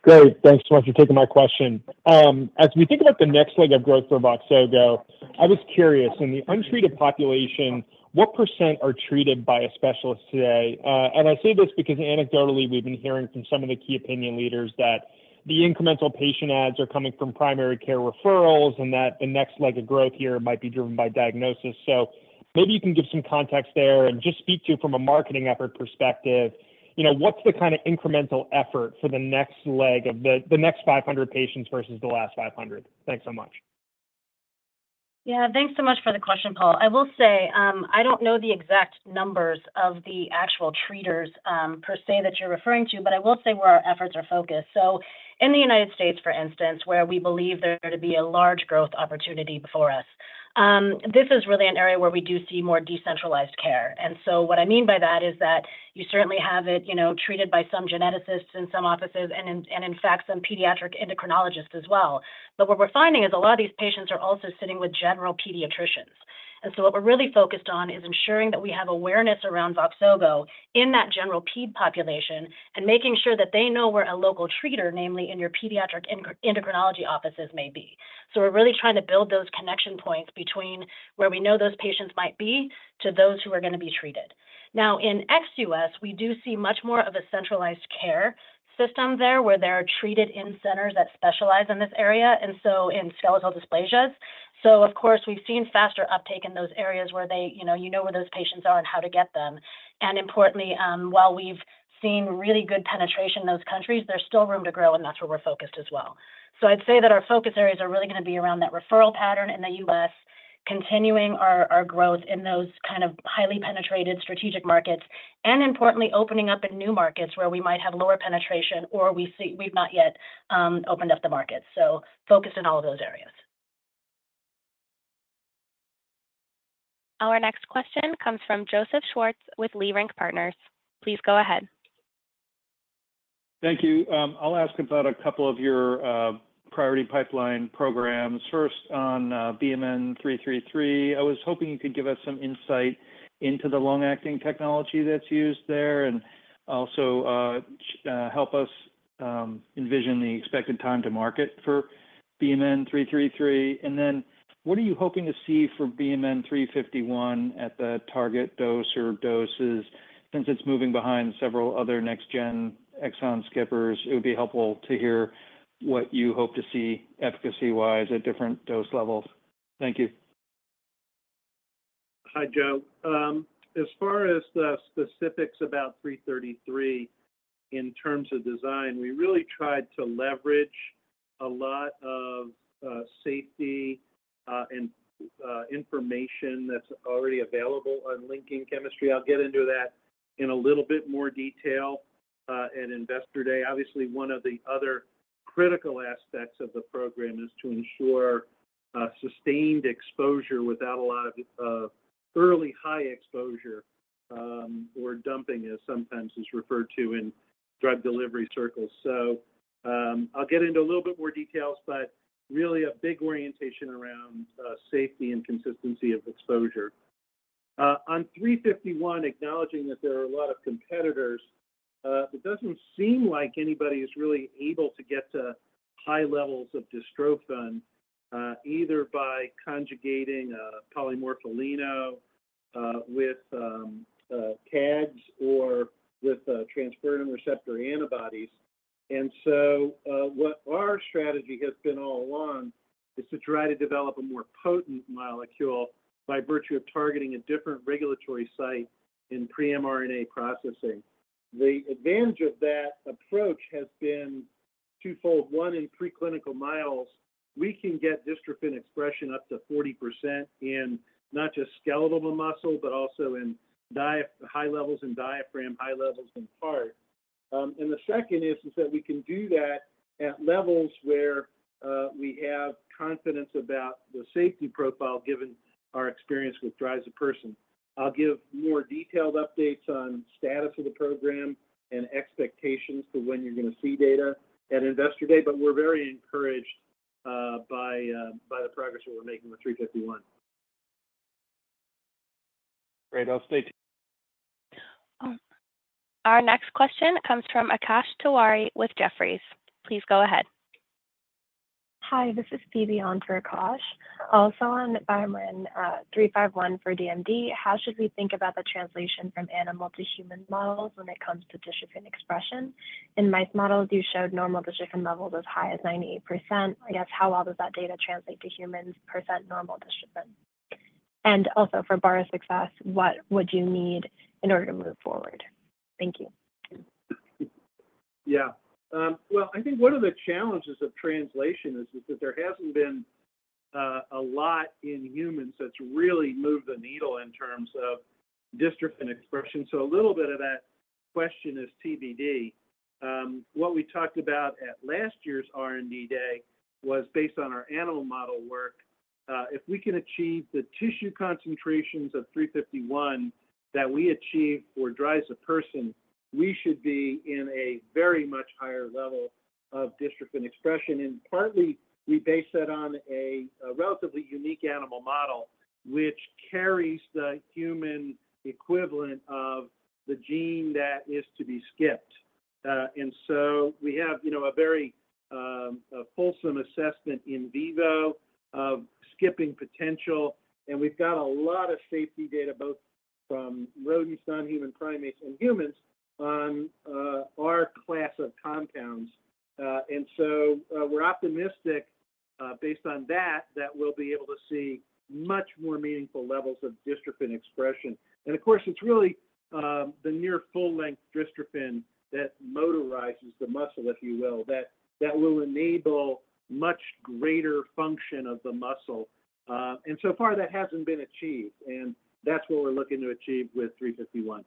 Great. Thanks so much for taking my question. As we think about the next leg of growth for Voxzogo, I was curious, in the untreated population, what % are treated by a specialist today? And I say this because anecdotally, we've been hearing from some of the key opinion leaders that the incremental patient adds are coming from primary care referrals, and that the next leg of growth here might be driven by diagnosis. So maybe you can give some context there and just speak to, from a marketing effort perspective, you know, what's the kind of incremental effort for the next leg of the, the next 500 patients versus the last 500? Thanks so much. Yeah. Thanks so much for the question, Paul. I will say, I don't know the exact numbers of the actual treaters, per se, that you're referring to, but I will say where our efforts are focused. So in the United States, for instance, where we believe there to be a large growth opportunity before us, this is really an area where we do see more decentralized care. And so what I mean by that is that you certainly have it, you know, treated by some geneticists in some offices and in, and in fact, some pediatric endocrinologists as well. But what we're finding is a lot of these patients are also sitting with general pediatricians. And so what we're really focused on is ensuring that we have awareness around Voxzogo in that general ped population and making sure that they know where a local treater, namely in your pediatric endocrinology offices, may be. So we're really trying to build those connection points between where we know those patients might be to those who are gonna be treated. Now, in ex-US, we do see much more of a centralized care system there, where they are treated in centers that specialize in this area, and so in skeletal dysplasias. So of course, we've seen faster uptake in those areas where they, you know where those patients are and how to get them. And importantly, while we've seen really good penetration in those countries, there's still room to grow, and that's where we're focused as well. So I'd say that our focus areas are really gonna be around that referral pattern in the U.S., continuing our growth in those kind of highly penetrated strategic markets, and importantly, opening up in new markets where we might have lower penetration or we see we've not yet opened up the market. So focused in all of those areas. Our next question comes from Joseph Schwartz with Leerink Partners. Please go ahead. Thank you. I'll ask about a couple of your priority pipeline programs. First, on BMN 333, I was hoping you could give us some insight into the long-acting technology that's used there and also help us envision the expected time to market for BMN 333? And then what are you hoping to see for BMN 351 at the target dose or doses, since it's moving behind several other next gen exon skippers? It would be helpful to hear what you hope to see efficacy-wise at different dose levels. Thank you. Hi, Joe. As far as the specifics about 333, in terms of design, we really tried to leverage a lot of safety and information that's already available on linking chemistry. I'll get into that in a little bit more detail at Investor Day. Obviously, one of the other critical aspects of the program is to ensure sustained exposure without a lot of early high exposure or dumping, as sometimes it's referred to in drug delivery circles. So, I'll get into a little bit more details, but really a big orientation around safety and consistency of exposure. On 351, acknowledging that there are a lot of competitors, it doesn't seem like anybody is really able to get to high levels of dystrophin, either by conjugating morpholino with tags or with transferrin receptor antibodies. And so, what our strategy has been all along is to try to develop a more potent molecule by virtue of targeting a different regulatory site in pre-mRNA processing. The advantage of that approach has been twofold. One, in preclinical models, we can get dystrophin expression up to 40% in not just skeletal muscle, but also in diaphragm, high levels in diaphragm, high levels in heart. And the second is that we can do that at levels where we have confidence about the safety profile, given our experience with drisapersen. I'll give more detailed updates on status of the program and expectations for when you're gonna see data at Investor Day, but we're very encouraged by the progress that we're making with 351. Great. I'll stay- Our next question comes from Akash Tewari with Jefferies. Please go ahead. Hi, this is Phoebe on for Akash. Also, on BMN 351 for DMD, how should we think about the translation from animal to human models when it comes to dystrophin expression? In mice models, you showed normal dystrophin levels as high as 98%. I guess, how well does that data translate to humans percent normal dystrophin? And also, for bar success, what would you need in order to move forward? Thank you. Yeah. Well, I think one of the challenges of translation is that there hasn't been a lot in humans that's really moved the needle in terms of dystrophin expression. So a little bit of that question is TBD. What we talked about at last year's R&D Day was based on our animal model work, if we can achieve the tissue concentrations of 351 that we achieve for drives a person, we should be in a very much higher level of dystrophin expression. And partly, we base that on a relatively unique animal model, which carries the human equivalent of the gene that is to be skipped. And so we have, you know, a very, a fulsome assessment in vivo of skipping potential, and we've got a lot of safety data, both from rodents, non-human primates, and humans on, our class of compounds. And so, we're optimistic, based on that, that we'll be able to see much more meaningful levels of dystrophin expression. And of course, it's really, the near full-length dystrophin that motorizes the muscle, if you will, that, that will enable much greater function of the muscle. And so far, that hasn't been achieved, and that's what we're looking to achieve with 351.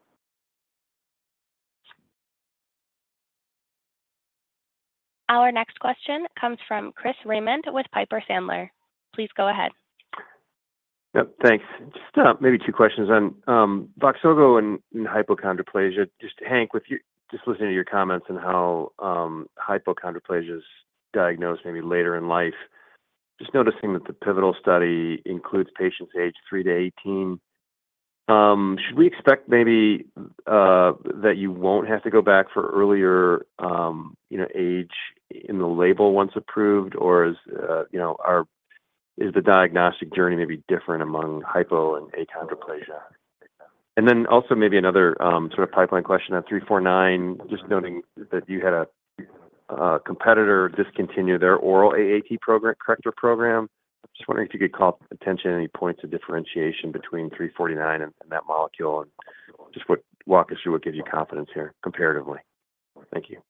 Our next question comes from Chris Raymond with Piper Sandler. Please go ahead. Yep, thanks. Just maybe two questions on Voxzogo and hypochondroplasia. Just Hank, with you, just listening to your comments on how hypochondroplasia is diagnosed maybe later in life. Just noticing that the pivotal study includes patients age 3 to 18. Should we expect maybe that you won't have to go back for earlier, you know, age in the label once approved, or is, you know, is the diagnostic journey maybe different among hypo and achondroplasia? And then also maybe another sort of pipeline question on 349, just noting that you had a competitor discontinue their oral AAT corrector program. Just wondering if you could call attention any points of differentiation between 349 and that molecule, and just what walk us through what gives you confidence here, comparatively. Thank you.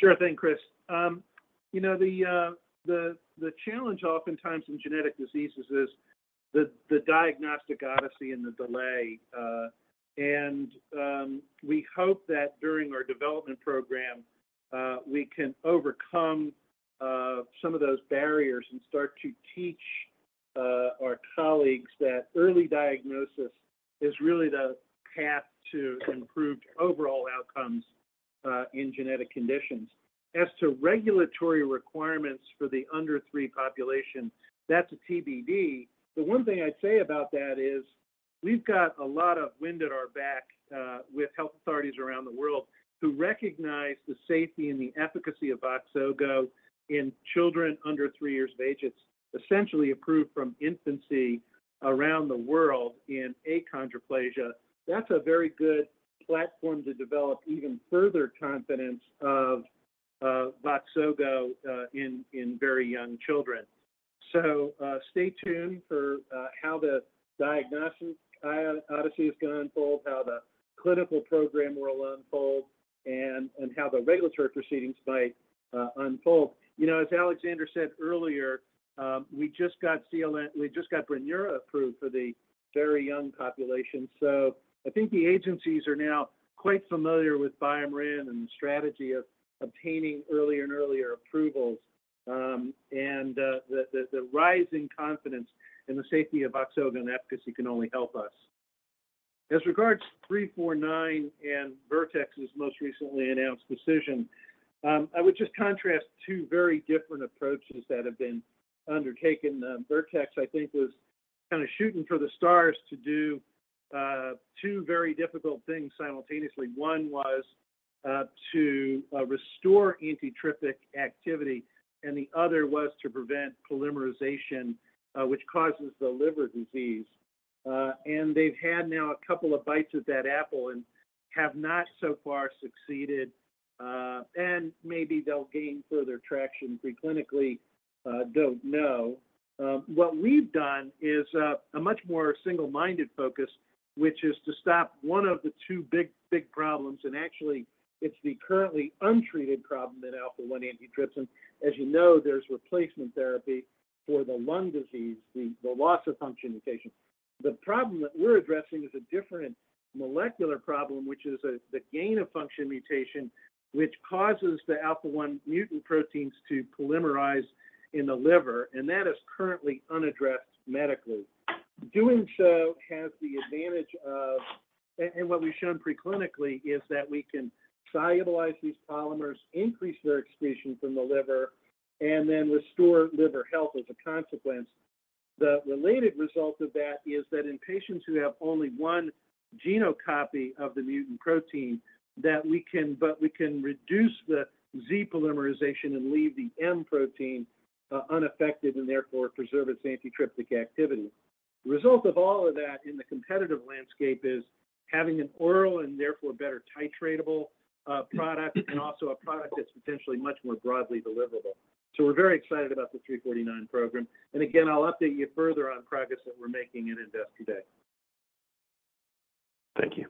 Sure thing, Chris. You know, the challenge oftentimes in genetic diseases is the diagnostic odyssey and the delay, and we hope that during our development program, we can overcome some of those barriers and start to teach our colleagues that early diagnosis is really the path to improved overall outcomes in genetic conditions. As to regulatory requirements for the under three population, that's a TBD, but one thing I'd say about that is. We've got a lot of wind at our back with health authorities around the world who recognize the safety and the efficacy of Voxzogo in children under three years of age. It's essentially approved from infancy around the world in achondroplasia. That's a very good platform to develop even further confidence of Voxzogo in very young children. So, stay tuned for how the diagnostic odyssey is gonna unfold, how the clinical program will unfold, and how the regulatory proceedings might unfold. You know, as Alexander said earlier, we just got Brineura approved for the very young population. So I think the agencies are now quite familiar with BioMarin and the strategy of obtaining earlier and earlier approvals. And the rising confidence in the safety of Voxzogo and efficacy can only help us. As regards 349 and Vertex's most recently announced decision, I would just contrast two very different approaches that have been undertaken. Vertex, I think, was kinda shooting for the stars to do two very difficult things simultaneously. One was to restore antitrypsin activity, and the other was to prevent polymerization, which causes the liver disease. And they've had now a couple of bites of that apple and have not so far succeeded, and maybe they'll gain further traction pre-clinically, don't know. What we've done is a much more single-minded focus, which is to stop one of the two big problems, and actually, it's the currently untreated problem in alpha-1 antitrypsin. As you know, there's replacement therapy for the lung disease, the loss-of-function mutation. The problem that we're addressing is a different molecular problem, which is the gain-of-function mutation, which causes the alpha-1 mutant proteins to polymerize in the liver, and that is currently unaddressed medically. Doing so has the advantage of... And what we've shown pre-clinically is that we can solubilize these polymers, increase their excretion from the liver, and then restore liver health as a consequence. The related result of that is that in patients who have only one gene copy of the mutant protein, but we can reduce the Z polymerization and leave the M protein unaffected, and therefore preserve its antitrypsin activity. The result of all of that in the competitive landscape is having an oral and therefore a better titratable product, and also a product that's potentially much more broadly deliverable. So we're very excited about the 349 program. And again, I'll update you further on progress that we're making in Investor Day today. Thank you.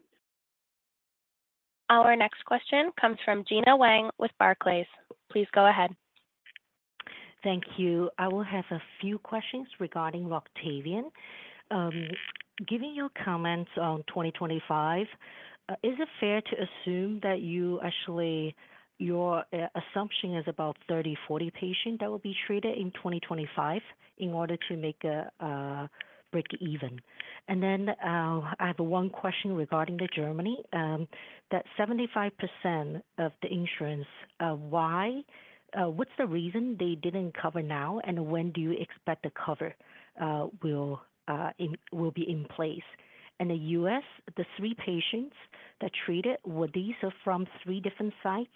Our next question comes from Gena Wang with Barclays. Please go ahead. Thank you. I will have a few questions regarding Roctavian. Giving your comments on 2025, is it fair to assume that you actually, your, assumption is about 30-40 patients that will be treated in 2025 in order to make a break even? And then, I have one question regarding to Germany. That 75% of the insurance, why? What's the reason they didn't cover now, and when do you expect the cover will be in place? In the US, the 3 patients that treated, were these are from 3 different sites?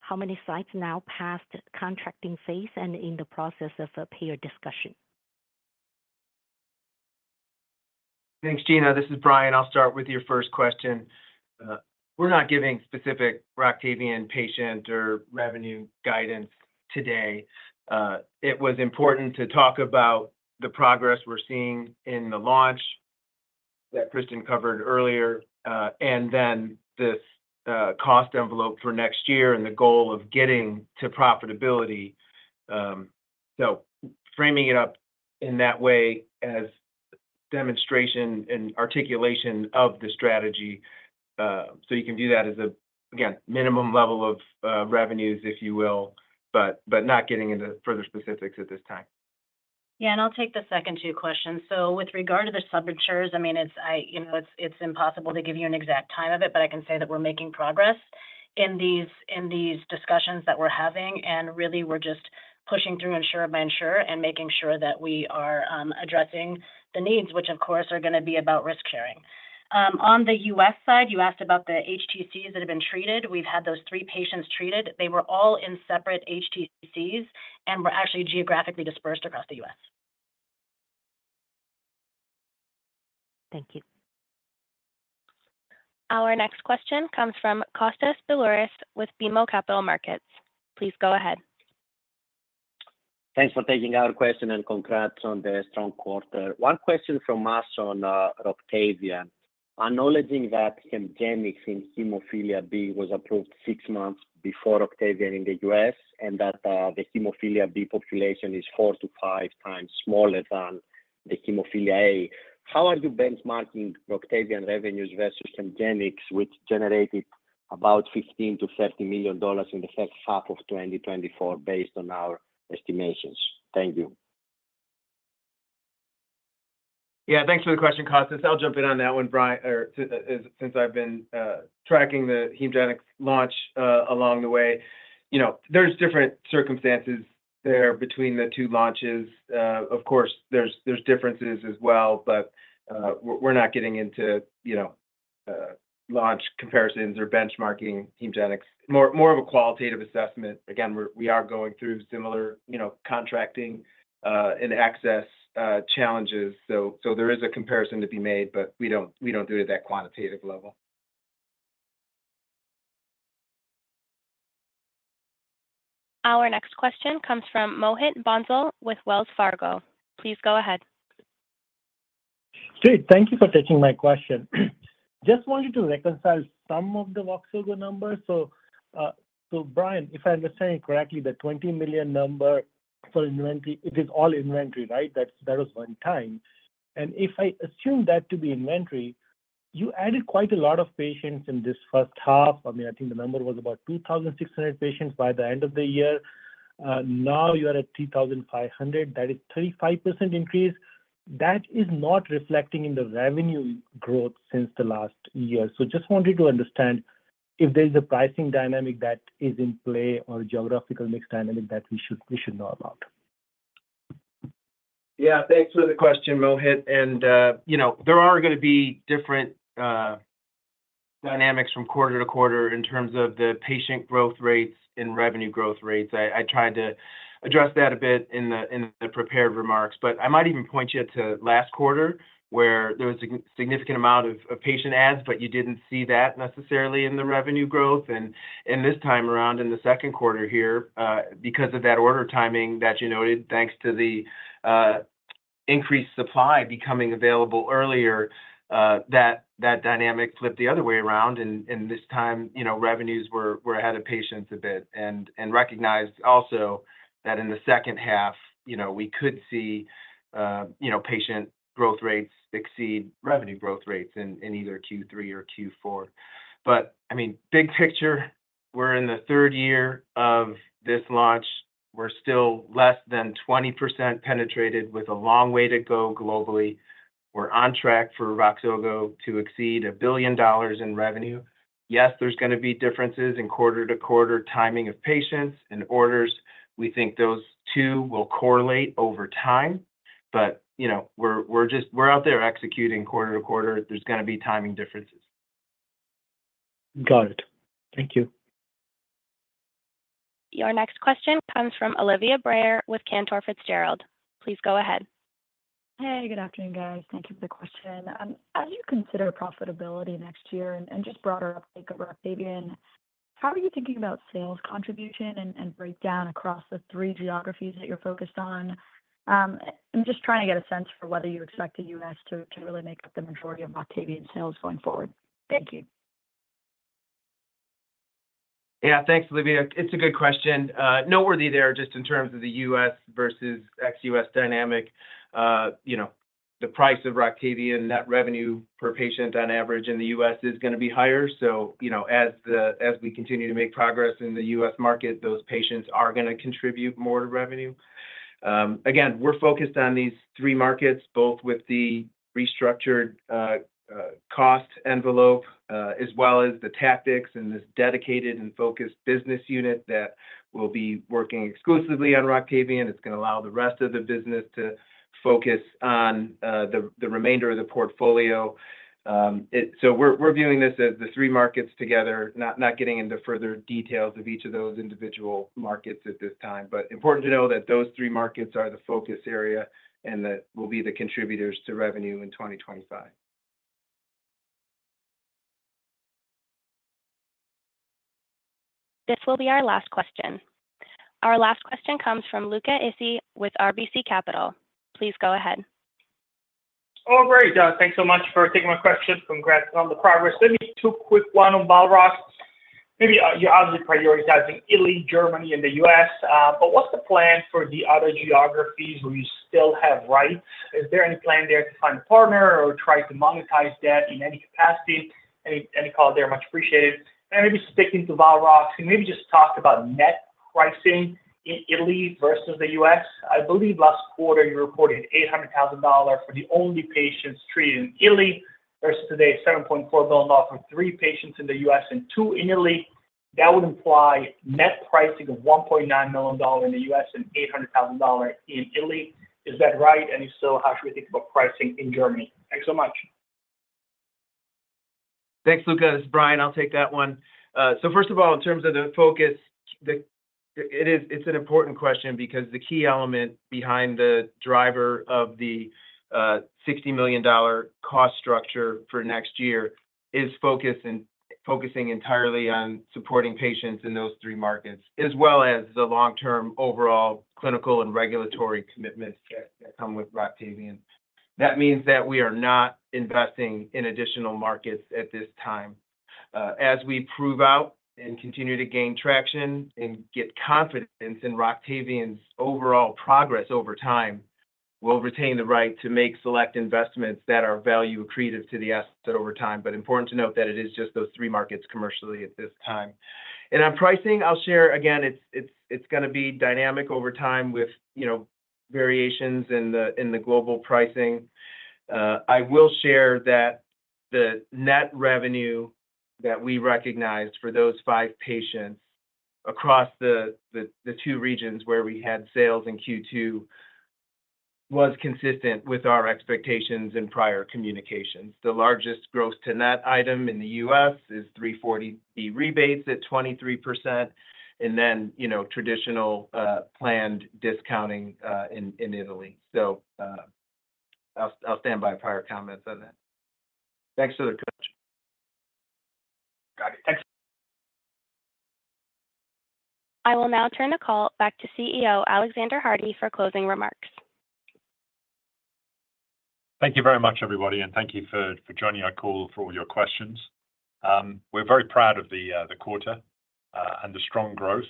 How many sites now passed contracting phase and in the process of a peer discussion? Thanks, Gena. This is Brian. I'll start with your first question. We're not giving specific Roctavian patient or revenue guidance today. It was important to talk about the progress we're seeing in the launch that Kristen covered earlier, and then this cost envelope for next year and the goal of getting to profitability. So framing it up in that way as demonstration and articulation of the strategy, so you can view that as a, again, minimum level of revenues, if you will, but not getting into further specifics at this time. Yeah, and I'll take the second two questions. So with regard to the reinsurers, I mean, you know, it's impossible to give you an exact time of it, but I can say that we're making progress in these discussions that we're having, and really, we're just pushing through insurer by insurer and making sure that we are addressing the needs, which, of course, are gonna be about risk-sharing. On the U.S. side, you asked about the HTCs that have been treated. We've had those three patients treated. They were all in separate HTCs and were actually geographically dispersed across the U.S. Thank you. Our next question comes from Kostas Biliouris with BMO Capital Markets. Please go ahead. Thanks for taking our question, and congrats on the strong quarter. One question from us on, Roctavian. Acknowledging that Hemgenix in Hemophilia B was approved 6 months before Roctavian in the U.S., and that, the Hemophilia B population is 4-5 times smaller than the Hemophilia A, how are you benchmarking Roctavian revenues versus Hemgenix, which generated about $15 million-$30 million in the first half of 2024 based on our estimations? Thank you. Yeah, thanks for the question, Kostas. I'll jump in on that one, Brian, or since I've been tracking the Hemgenix launch along the way. You know, there's different circumstances there between the two launches. Of course, there's differences as well, but we're not getting into, you know, launch comparisons or benchmarking Hemgenix. More of a qualitative assessment. Again, we're going through similar, you know, contracting and access challenges. So there is a comparison to be made, but we don't do it at that quantitative level. Our next question comes from Mohit Bansal with Wells Fargo. Please go ahead. Great. Thank you for taking my question. Just wanted to reconcile some of the Voxzogo numbers. So, so Brian, if I understand correctly, the $20 million number for inventory, it is all inventory, right? That's, that was one time. And if I assume that to be inventory, you added quite a lot of patients in this first half. I mean, I think the number was about 2,600 patients by the end of the year. Now you are at 3,500; that is 35% increase. That is not reflecting in the revenue growth since the last year. So just wanted to understand if there's a pricing dynamic that is in play or a geographical mix dynamic that we should, we should know about. Yeah, thanks for the question, Mohit. And, you know, there are gonna be different dynamics from quarter to quarter in terms of the patient growth rates and revenue growth rates. I tried to address that a bit in the prepared remarks, but I might even point you to last quarter, where there was a significant amount of patient adds, but you didn't see that necessarily in the revenue growth. And in this time around, in the second quarter here, because of that order timing that you noted, thanks to the increased supply becoming available earlier, that dynamic flipped the other way around, and this time, you know, revenues were ahead of patients a bit. And we recognized also that in the second half, you know, we could see patient growth rates exceed revenue growth rates in either Q3 or Q4. But, I mean, big picture, we're in the third year of this launch. We're still less than 20% penetrated with a long way to go globally. We're on track for Voxzogo to exceed $1 billion in revenue. Yes, there's gonna be differences in quarter-to-quarter timing of patients and orders. We think those two will correlate over time, but, you know, we're just out there executing quarter to quarter. There's gonna be timing differences. Got it. Thank you. Your next question comes from Olivia Brayer with Cantor Fitzgerald. Please go ahead. Hey, good afternoon, guys. Thank you for the question. As you consider profitability next year and just broader uptake of Roctavian, how are you thinking about sales contribution and breakdown across the three geographies that you're focused on? I'm just trying to get a sense for whether you expect the U.S. to really make up the majority of Roctavian sales going forward. Thank you. Yeah, thanks, Olivia. It's a good question. Noteworthy there, just in terms of the US versus ex-US dynamic, you know, the price of Roctavian, net revenue per patient on average in the US is gonna be higher. So, you know, as we continue to make progress in the US market, those patients are gonna contribute more to revenue. Again, we're focused on these three markets, both with the restructured cost envelope, as well as the tactics and this dedicated and focused business unit that will be working exclusively on Roctavian. It's gonna allow the rest of the business to focus on the remainder of the portfolio. So we're viewing this as the three markets together, not getting into further details of each of those individual markets at this time. Important to know that those three markets are the focus area and that will be the contributors to revenue in 2025. This will be our last question. Our last question comes from Luca Issi with RBC Capital. Please go ahead. Oh, great. Thanks so much for taking my question. Congrats on the progress. Let me two quick one on Roctavian. Maybe you're obviously prioritizing Italy, Germany, and the US, but what's the plan for the other geographies where you still have rights? Is there any plan there to find a partner or try to monetize that in any capacity? Any color there, much appreciated. And maybe sticking to Roctavian, can maybe just talk about net pricing in Italy versus the US. I believe last quarter, you reported $800,000 for the only patients treated in Italy versus today, $7.4 million for three patients in the US and two in Italy. That would imply net pricing of $1.9 million in the US and $800,000 in Italy. Is that right? If so, how should we think about pricing in Germany? Thanks so much. Thanks, Luca. It's Brian. I'll take that one. So first of all, in terms of the focus, it's an important question because the key element behind the driver of the $60 million cost structure for next year is focus and focusing entirely on supporting patients in those three markets, as well as the long-term overall clinical and regulatory commitments that come with Roctavian. That means that we are not investing in additional markets at this time. As we prove out and continue to gain traction and get confidence in Roctavian's overall progress over time, we'll retain the right to make select investments that are value accretive to the asset over time. But important to note that it is just those three markets commercially at this time. On pricing, I'll share, again, it's gonna be dynamic over time with, you know, variations in the global pricing. I will share that the net revenue that we recognized for those 5 patients across the two regions where we had sales in Q2 was consistent with our expectations in prior communications. The largest gross to net item in the US is 340B rebates at 23%, and then, you know, traditional planned discounting in Italy. I'll stand by prior comments on that. Thanks for the question. Got it. Thanks. I will now turn the call back to CEO, Alexander Hardy, for closing remarks. Thank you very much, everybody, and thank you for joining our call for all your questions. We're very proud of the quarter and the strong growth,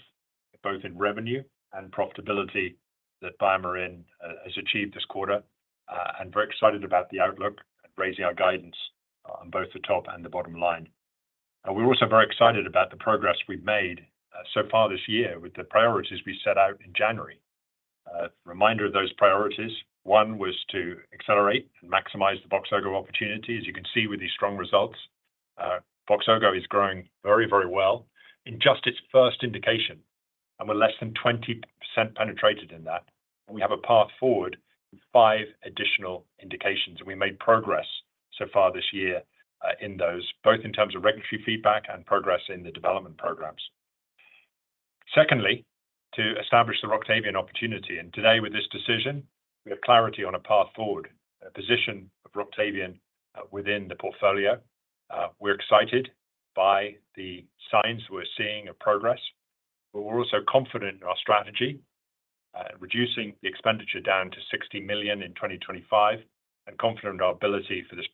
both in revenue and profitability, that BioMarin has achieved this quarter. We're very excited about the outlook and raising our guidance on both the top and the bottom line. We're also very excited about the progress we've made so far this year with the priorities we set out in January. Reminder of those priorities, one was to accelerate and maximize the Voxzogo opportunity. As you can see with these strong results, Voxzogo is growing very, very well in just its first indication, and we're less than 20% penetrated in that. We have a path forward with five additional indications, and we made progress so far this year, in those, both in terms of regulatory feedback and progress in the development programs. Secondly, to establish the Roctavian opportunity, and today with this decision, we have clarity on a path forward, a position of Roctavian, within the portfolio. We're excited by the signs we're seeing of progress, but we're also confident in our strategy, reducing the expenditure down to $60 million in 2025, and confident in our ability for this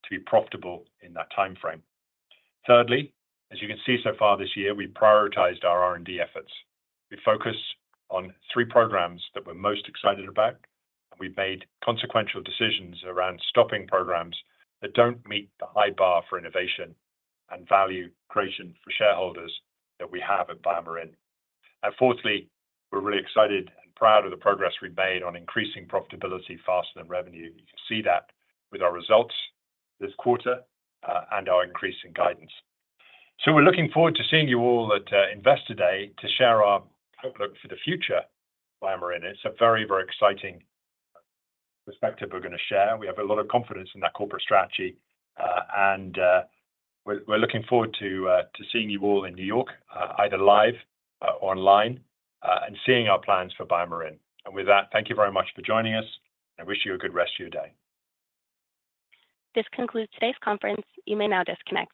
product to be profitable in that timeframe. Thirdly, as you can see so far this year, we prioritized our R&D efforts. We focus on three programs that we're most excited about, and we've made consequential decisions around stopping programs that don't meet the high bar for innovation and value creation for shareholders that we have at BioMarin. Fourthly, we're really excited and proud of the progress we've made on increasing profitability faster than revenue. You can see that with our results this quarter, and our increase in guidance. We're looking forward to seeing you all at Investor Day to share our outlook for the future at BioMarin. It's a very, very exciting perspective we're gonna share. We have a lot of confidence in that corporate strategy, and we're looking forward to seeing you all in New York, either live or online, and seeing our plans for BioMarin. With that, thank you very much for joining us, and wish you a good rest of your day. This concludes today's conference. You may now disconnect.